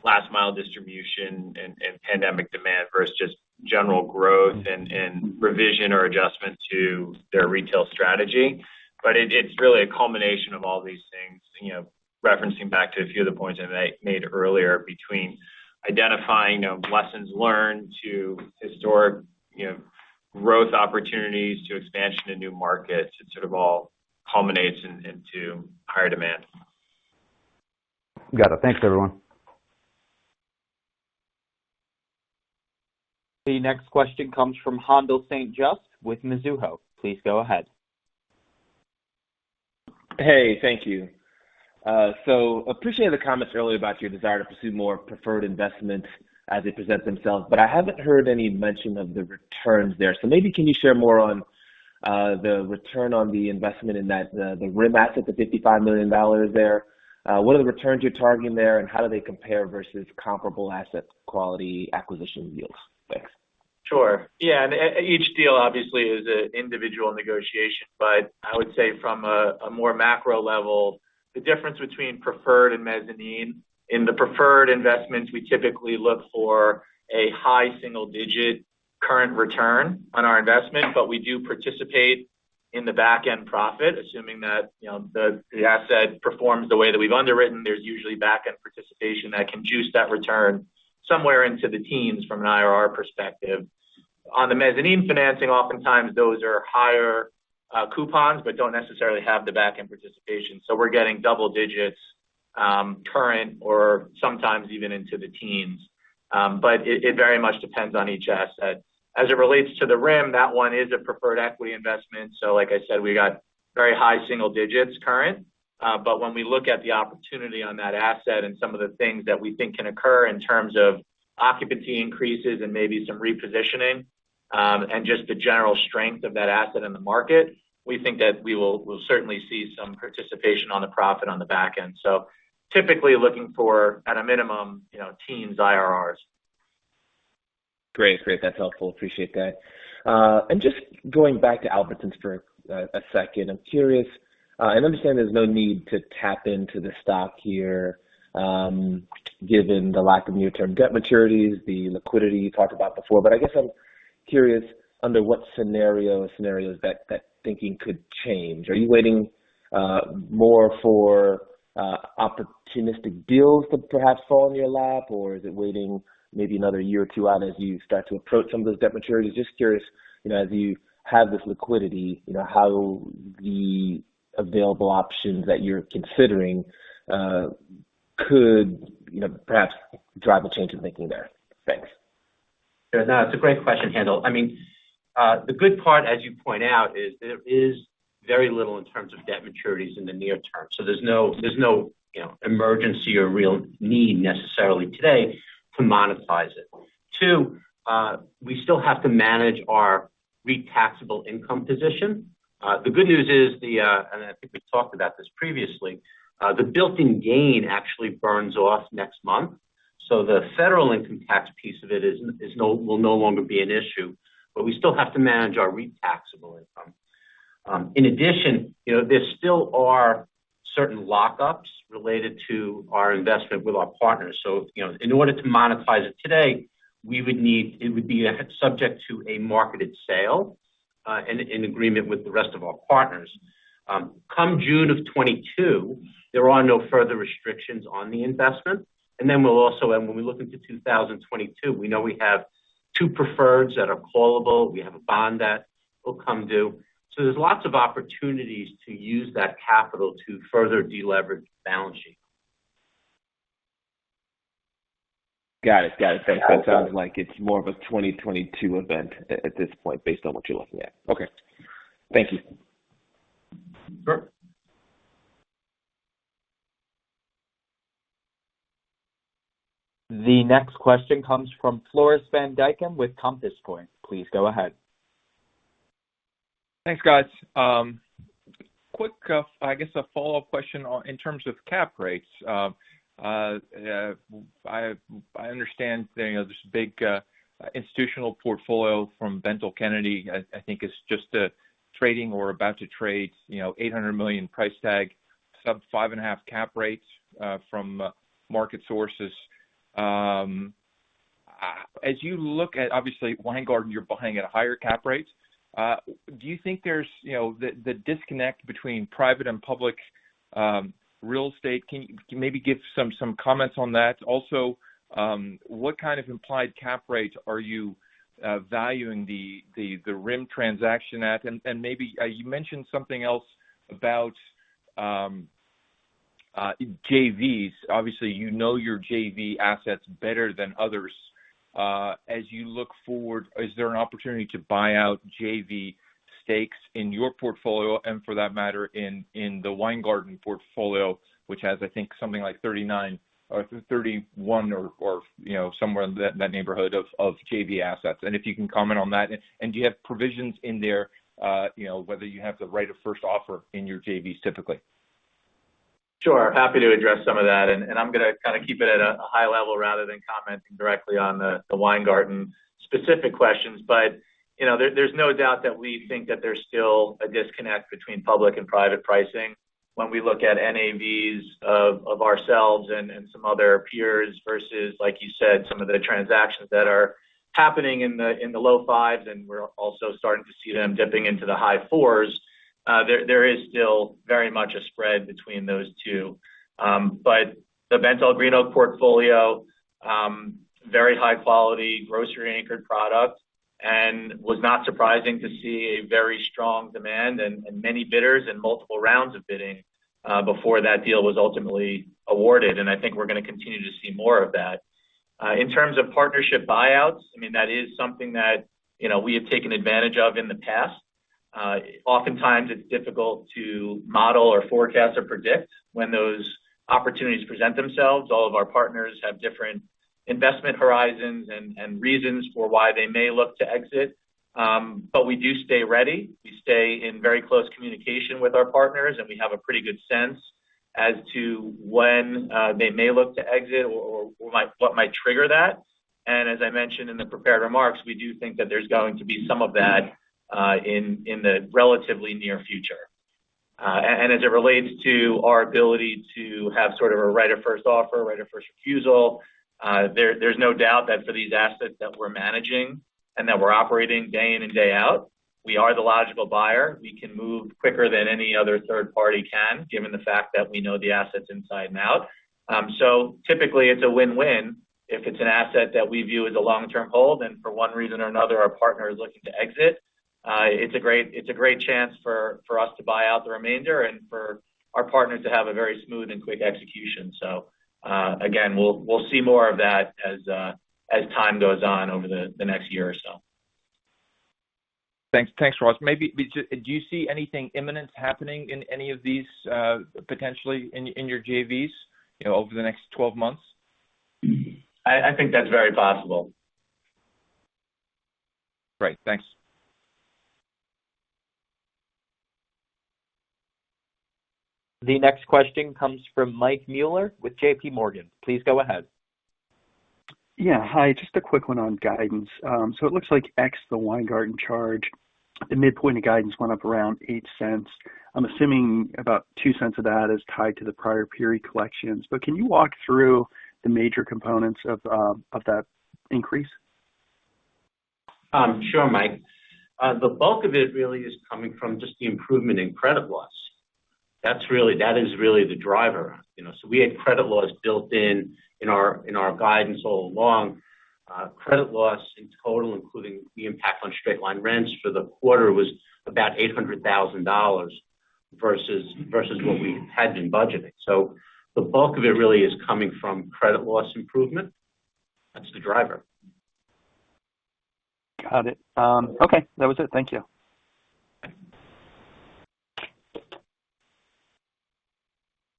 last mile distribution and pandemic demand versus just general growth and revision or adjustment to their retail strategy. It's really a culmination of all these things, referencing back to a few of the points I made earlier between identifying lessons learned to historic growth opportunities to expansion in new markets. It sort of all culminates into higher demand. Got it. Thanks, everyone. The next question comes from Haendel St. Juste with Mizuho. Please go ahead. Hey. Thank you. Appreciated the comments earlier about your desire to pursue more preferred investments as they present themselves. I haven't heard any mention of the returns there. Maybe can you share more on the return on the investment in that, the RIM asset, the $55 million there? What are the returns you're targeting there, and how do they compare versus comparable asset quality acquisition yields? Thanks. Sure. Yeah. Each deal obviously is an individual negotiation. I would say from a more macro level, the difference between preferred and mezzanine. In the preferred investments, we typically look for a high single-digit current return on our investment. We do participate in the back-end profit. Assuming that the asset performs the way that we've underwritten, there's usually back-end participation that can juice that return somewhere into the teens from an IRR perspective. On the mezzanine financing, oftentimes those are higher coupons. Don't necessarily have the back-end participation. We're getting double digits, current or sometimes even into the teens. It very much depends on each asset. As it relates to the RIM, that one is a preferred equity investment, like I said, we got very high single digits current. When we look at the opportunity on that asset and some of the things that we think can occur in terms of occupancy increases and maybe some repositioning, and just the general strength of that asset in the market, we think that we'll certainly see some participation on the profit on the back end. Typically looking for, at a minimum, teens IRRs. Great. That's helpful. Appreciate that. Just going back to Albertsons for a second. I'm curious, and I understand there's no need to tap into the stock here, given the lack of near-term debt maturities, the liquidity you talked about before, but I guess I'm curious under what scenario or scenarios that thinking could change. Are you waiting more for opportunistic deals to perhaps fall in your lap, or is it waiting maybe another year or two out as you start to approach some of those debt maturities? Just curious, as you have this liquidity, how the available options that you're considering could perhaps drive a change in thinking there. Thanks. No, it's a great question, Haendel. The good part, as you point out, is there is very little in terms of debt maturities in the near term. There's no emergency or real need necessarily today to monetize it. Two, we still have to manage our REIT taxable income position. The good news is, and I think we talked about this previously, the built-in gain actually burns off next month. The federal income tax piece of it will no longer be an issue, but we still have to manage our REIT taxable income. In addition, there still are certain lockups related to our investment with our partners. In order to monetize it today, it would be subject to a marketed sale, and an agreement with the rest of our partners. Come June of 2022, there are no further restrictions on the investment. We'll also, when we look into 2022, we know we have two preferreds that are callable. We have a bond that will come due. There's lots of opportunities to use that capital to further de-leverage the balance sheet. Got it. Thanks. That sounds like it's more of a 2022 event at this point based on what you're looking at. Okay. Thank you. Sure. The next question comes from Floris van Dijkum with Compass Point. Please go ahead. Thanks, guys. Quick follow-up question in terms of cap rates. I understand there's a big institutional portfolio from Bentall Kennedy. I think it's just trading or about to trade $800 million price tag, sub 5.5 cap rates from market sources. As you look at, obviously, Weingarten, you're buying at higher cap rates. Do you think there's the disconnect between private and public real estate? Can you maybe give some comments on that? Also, what kind of implied cap rates are you valuing the RIM transaction at? Maybe you mentioned something else about JVs. Obviously, you know your JV assets better than others. As you look forward, is there an opportunity to buy out JV stakes in your portfolio? For that matter, in the Weingarten portfolio, which has, I think, something like 39 or 31 or somewhere in that neighborhood of JV assets? If you can comment on that. Do you have provisions in there, whether you have the right of first offer in your JVs typically? Sure. Happy to address some of that, and I'm going to kind of keep it at a high level rather than commenting directly on the Weingarten specific questions. There's no doubt that we think that there's still a disconnect between public and private pricing. When we look at NAVs of ourselves and some other peers versus, like you said, some of the transactions that are happening in the low 5s, and we're also starting to see them dipping into the high 4s. There is still very much a spread between those two. The BentallGreenOak portfolio. Very high quality grocery anchored product, and was not surprising to see a very strong demand and many bidders and multiple rounds of bidding before that deal was ultimately awarded. I think we're going to continue to see more of that. In terms of partnership buyouts, that is something that we have taken advantage of in the past. Oftentimes, it's difficult to model or forecast or predict when those opportunities present themselves. All of our partners have different investment horizons and reasons for why they may look to exit. We do stay ready. We stay in very close communication with our partners, we have a pretty good sense as to when they may look to exit or what might trigger that. As I mentioned in the prepared remarks, we do think that there's going to be some of that in the relatively near future. As it relates to our ability to have sort of a right of first offer, right of first refusal, there's no doubt that for these assets that we're managing and that we're operating day in and day out, we are the logical buyer. We can move quicker than any other third party can, given the fact that we know the assets inside and out. Typically it's a win-win. If it's an asset that we view as a long-term hold and for one reason or another our partner is looking to exit, it's a great chance for us to buy out the remainder and for our partners to have a very smooth and quick execution. Again, we'll see more of that as time goes on over the next year or so. Thanks, Ross. Do you see anything imminent happening in any of these potentially in your JVs over the next 12 months? I think that's very possible. Great. Thanks. The next question comes from Michael Mueller with JPMorgan. Please go ahead. Yeah. Hi. Just a quick one on guidance. It looks like ex the Weingarten charge, the midpoint of guidance went up around $0.08. I'm assuming about $0.02 of that is tied to the prior period collections. Can you walk through the major components of that increase? Sure, Mike. The bulk of it really is coming from just the improvement in credit loss. That is really the driver. We had credit loss built in in our guidance all along. Credit loss in total, including the impact on straight line rents for the quarter, was about $800,000 versus what we had been budgeting. The bulk of it really is coming from credit loss improvement. That's the driver. Got it. Okay. That was it. Thank you.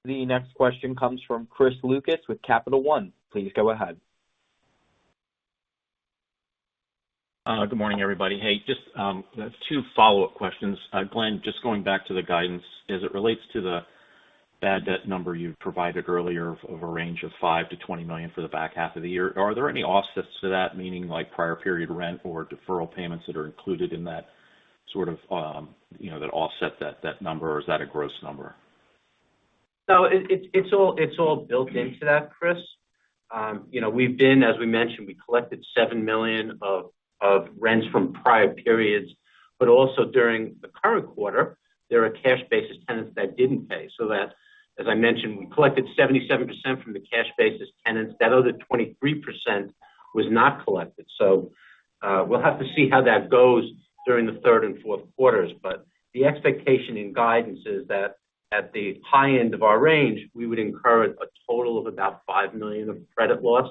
The next question comes from Chris Lucas with Capital One. Please go ahead. Good morning, everybody. Hey, just two follow-up questions. Glenn, just going back to the guidance as it relates to the bad debt number you provided earlier of a range of $5 million-$20 million for the back half of the year. Are there any offsets to that, meaning like prior period rent or deferral payments that are included in that sort of offset that number, or is that a gross number? No, it's all built into that, Chris. As we mentioned, we collected $7 million of rents from prior periods, also during the current quarter, there are cash basis tenants that didn't pay. That, as I mentioned, we collected 77% from the cash basis tenants. That other 23% was not collected. We'll have to see how that goes during the third and fourth quarters. The expectation in guidance is that at the high end of our range, we would incur a total of about $5 million of credit loss,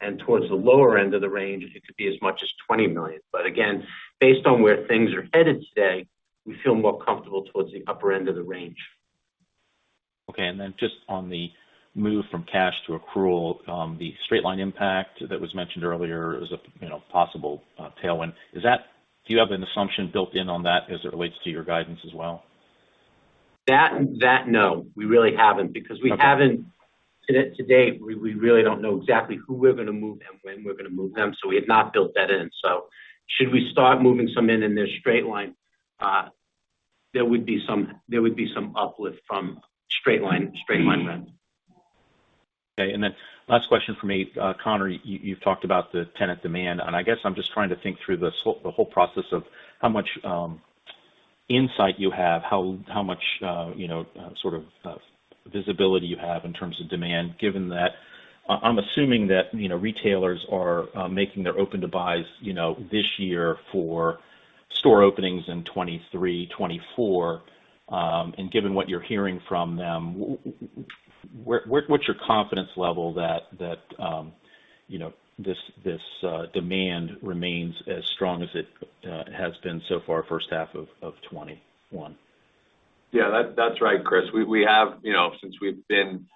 and towards the lower end of the range, it could be as much as $20 million. Again, based on where things are headed today, we feel more comfortable towards the upper end of the range. Okay. Then just on the move from cash to accrual, the straight line impact that was mentioned earlier as a possible tailwind. Do you have an assumption built in on that as it relates to your guidance as well? That, no, we really haven't because to date, we really don't know exactly who we're going to move and when we're going to move them. We have not built that in. Should we start moving some in this straight line, there would be some uplift from straight line rent. Okay. Last question from me. Conor, you've talked about the tenant demand, and I guess I'm just trying to think through the whole process of how much insight you have, how much sort of visibility you have in terms of demand, given that I'm assuming that retailers are making their open to buys this year for store openings in 2023, 2024. Given what you're hearing from them, what's your confidence level that this demand remains as strong as it has been so far first half of 2021? Yeah, that's right, Chris. Since we've been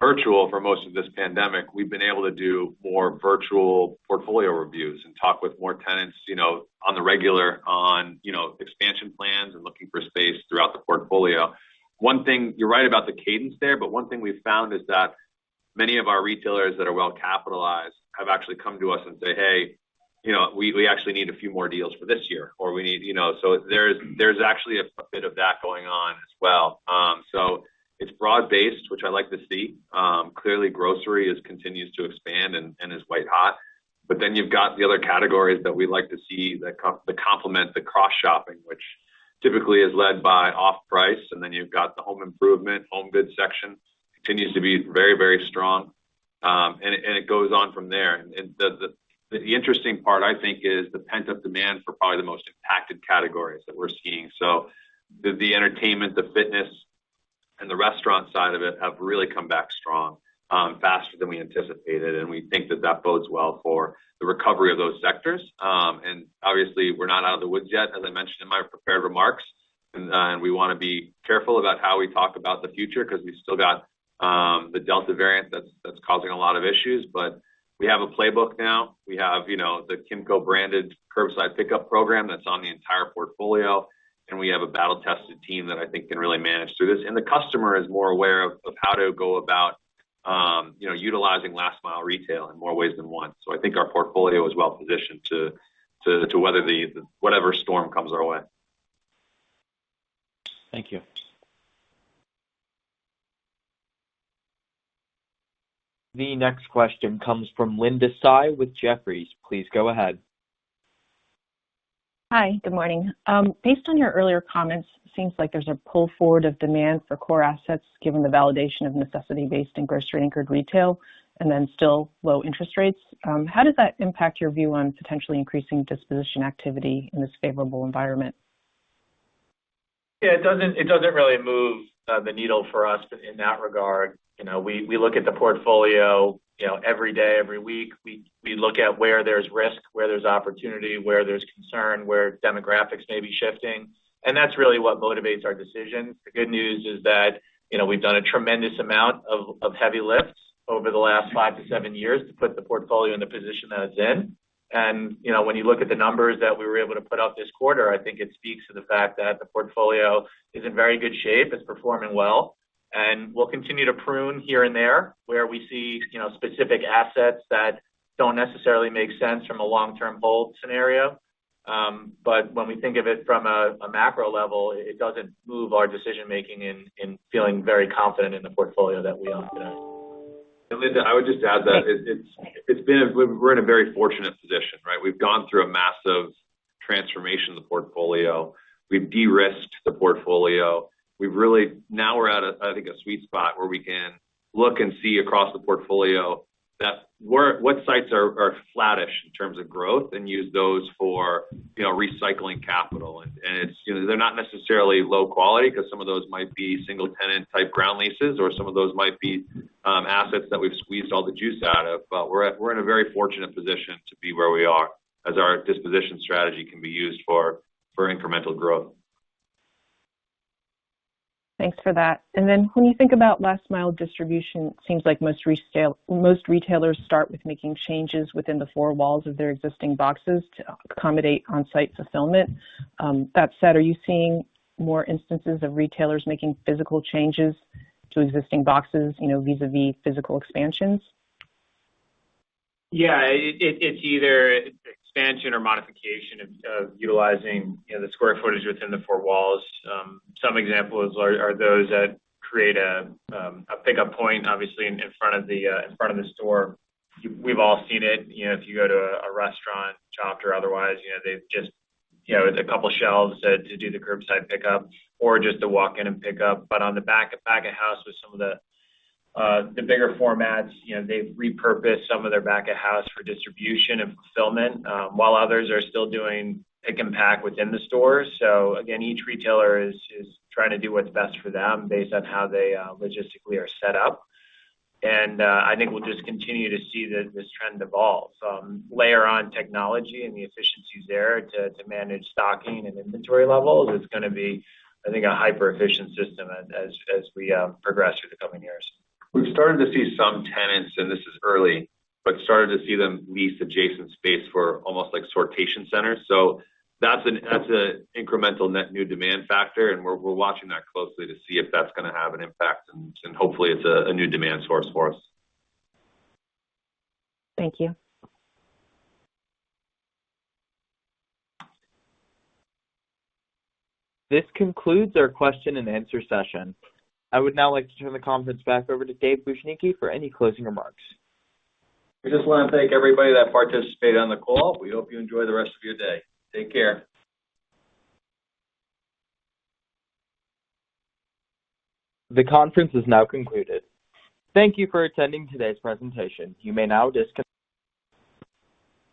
virtual for most of this pandemic, we've been able to do more virtual portfolio reviews and talk with more tenants on the regular on expansion plans and looking for space throughout the portfolio. You're right about the cadence there, but one thing we've found is that many of our retailers that are well capitalized have actually come to us and say, "Hey, we actually need a few more deals for this year." There's actually a bit of that going on as well. It's broad-based, which I like to see. Clearly grocery continues to expand and is white hot. You've got the other categories that we like to see that complement the cross-shopping, which typically is led by off-price. You've got the home improvement. Home goods section continues to be very strong. It goes on from there. The interesting part, I think, is the pent-up demand for probably the most impacted categories that we're seeing. The entertainment, the fitness, and the restaurant side of it have really come back strong, faster than we anticipated. We think that that bodes well for the recovery of those sectors. Obviously, we're not out of the woods yet, as I mentioned in my prepared remarks. We want to be careful about how we talk about the future because we still got the Delta variant that's causing a lot of issues. We have a playbook now. We have the Kimco branded curbside pickup program that's on the entire portfolio. We have a battle-tested team that I think can really manage through this. The customer is more aware of how to go about utilizing last mile retail in more ways than one. I think our portfolio is well positioned to weather whatever storm comes our way. Thank you. The next question comes from Linda Tsai with Jefferies. Please go ahead. Hi. Good morning. Based on your earlier comments, seems like there's a pull forward of demand for core assets given the validation of necessity-based in grocery-anchored retail and then still low interest rates. How does that impact your view on potentially increasing disposition activity in this favorable environment? Yeah, it doesn't really move the needle for us in that regard. We look at the portfolio every day, every week. We look at where there's risk, where there's opportunity, where there's concern, where demographics may be shifting. That's really what motivates our decisions. The good news is that we've done a tremendous amount of heavy lifts over the last five to seven years to put the portfolio in the position that it's in. When you look at the numbers that we were able to put up this quarter, I think it speaks to the fact that the portfolio is in very good shape. It's performing well. We'll continue to prune here and there where we see specific assets that don't necessarily make sense from a long-term hold scenario. When we think of it from a macro level, it doesn't move our decision-making in feeling very confident in the portfolio that we own today. Linda, I would just add that we're in a very fortunate position, right? We've gone through a massive transformation of the portfolio. We've de-risked the portfolio. Now we're at, I think, a sweet spot where we can look and see across the portfolio what sites are flattish in terms of growth and use those for recycling capital. They're not necessarily low quality because some of those might be single tenant type ground leases or some of those might be assets that we've squeezed all the juice out of. We're in a very fortunate position to be where we are as our disposition strategy can be used for incremental growth. Thanks for that. When you think about last mile distribution, it seems like most retailers start with making changes within the four walls of their existing boxes to accommodate on-site fulfillment. That said, are you seeing more instances of retailers making physical changes to existing boxes vis-a-vis physical expansions? It's either expansion or modification of utilizing the square footage within the four walls. Some examples are those that create a pickup point, obviously in front of the store. We've all seen it. If you go to a restaurant shop, or otherwise, there's a couple shelves to do the curbside pickup or just to walk in and pick up. On the back of house with some of the bigger formats, they've repurposed some of their back of house for distribution and fulfillment, while others are still doing pick and pack within the stores. Again, each retailer is trying to do what's best for them based on how they logistically are set up. I think we'll just continue to see this trend evolve. Layer on technology and the efficiencies there to manage stocking and inventory levels is going to be, I think, a hyper efficient system as we progress through the coming years. We've started to see some tenants, and this is early, but started to see them lease adjacent space for almost like sortation centers. That's an incremental net new demand factor, and we're watching that closely to see if that's going to have an impact. Hopefully it's a new demand source for us. Thank you. This concludes our question-and answer-session. I would now like to turn the conference back over to David Bujnicki for any closing remarks. We just want to thank everybody that participated on the call. We hope you enjoy the rest of your day. Take care. The conference is now concluded. Thank you for attending today's presentation. You may now disconnect.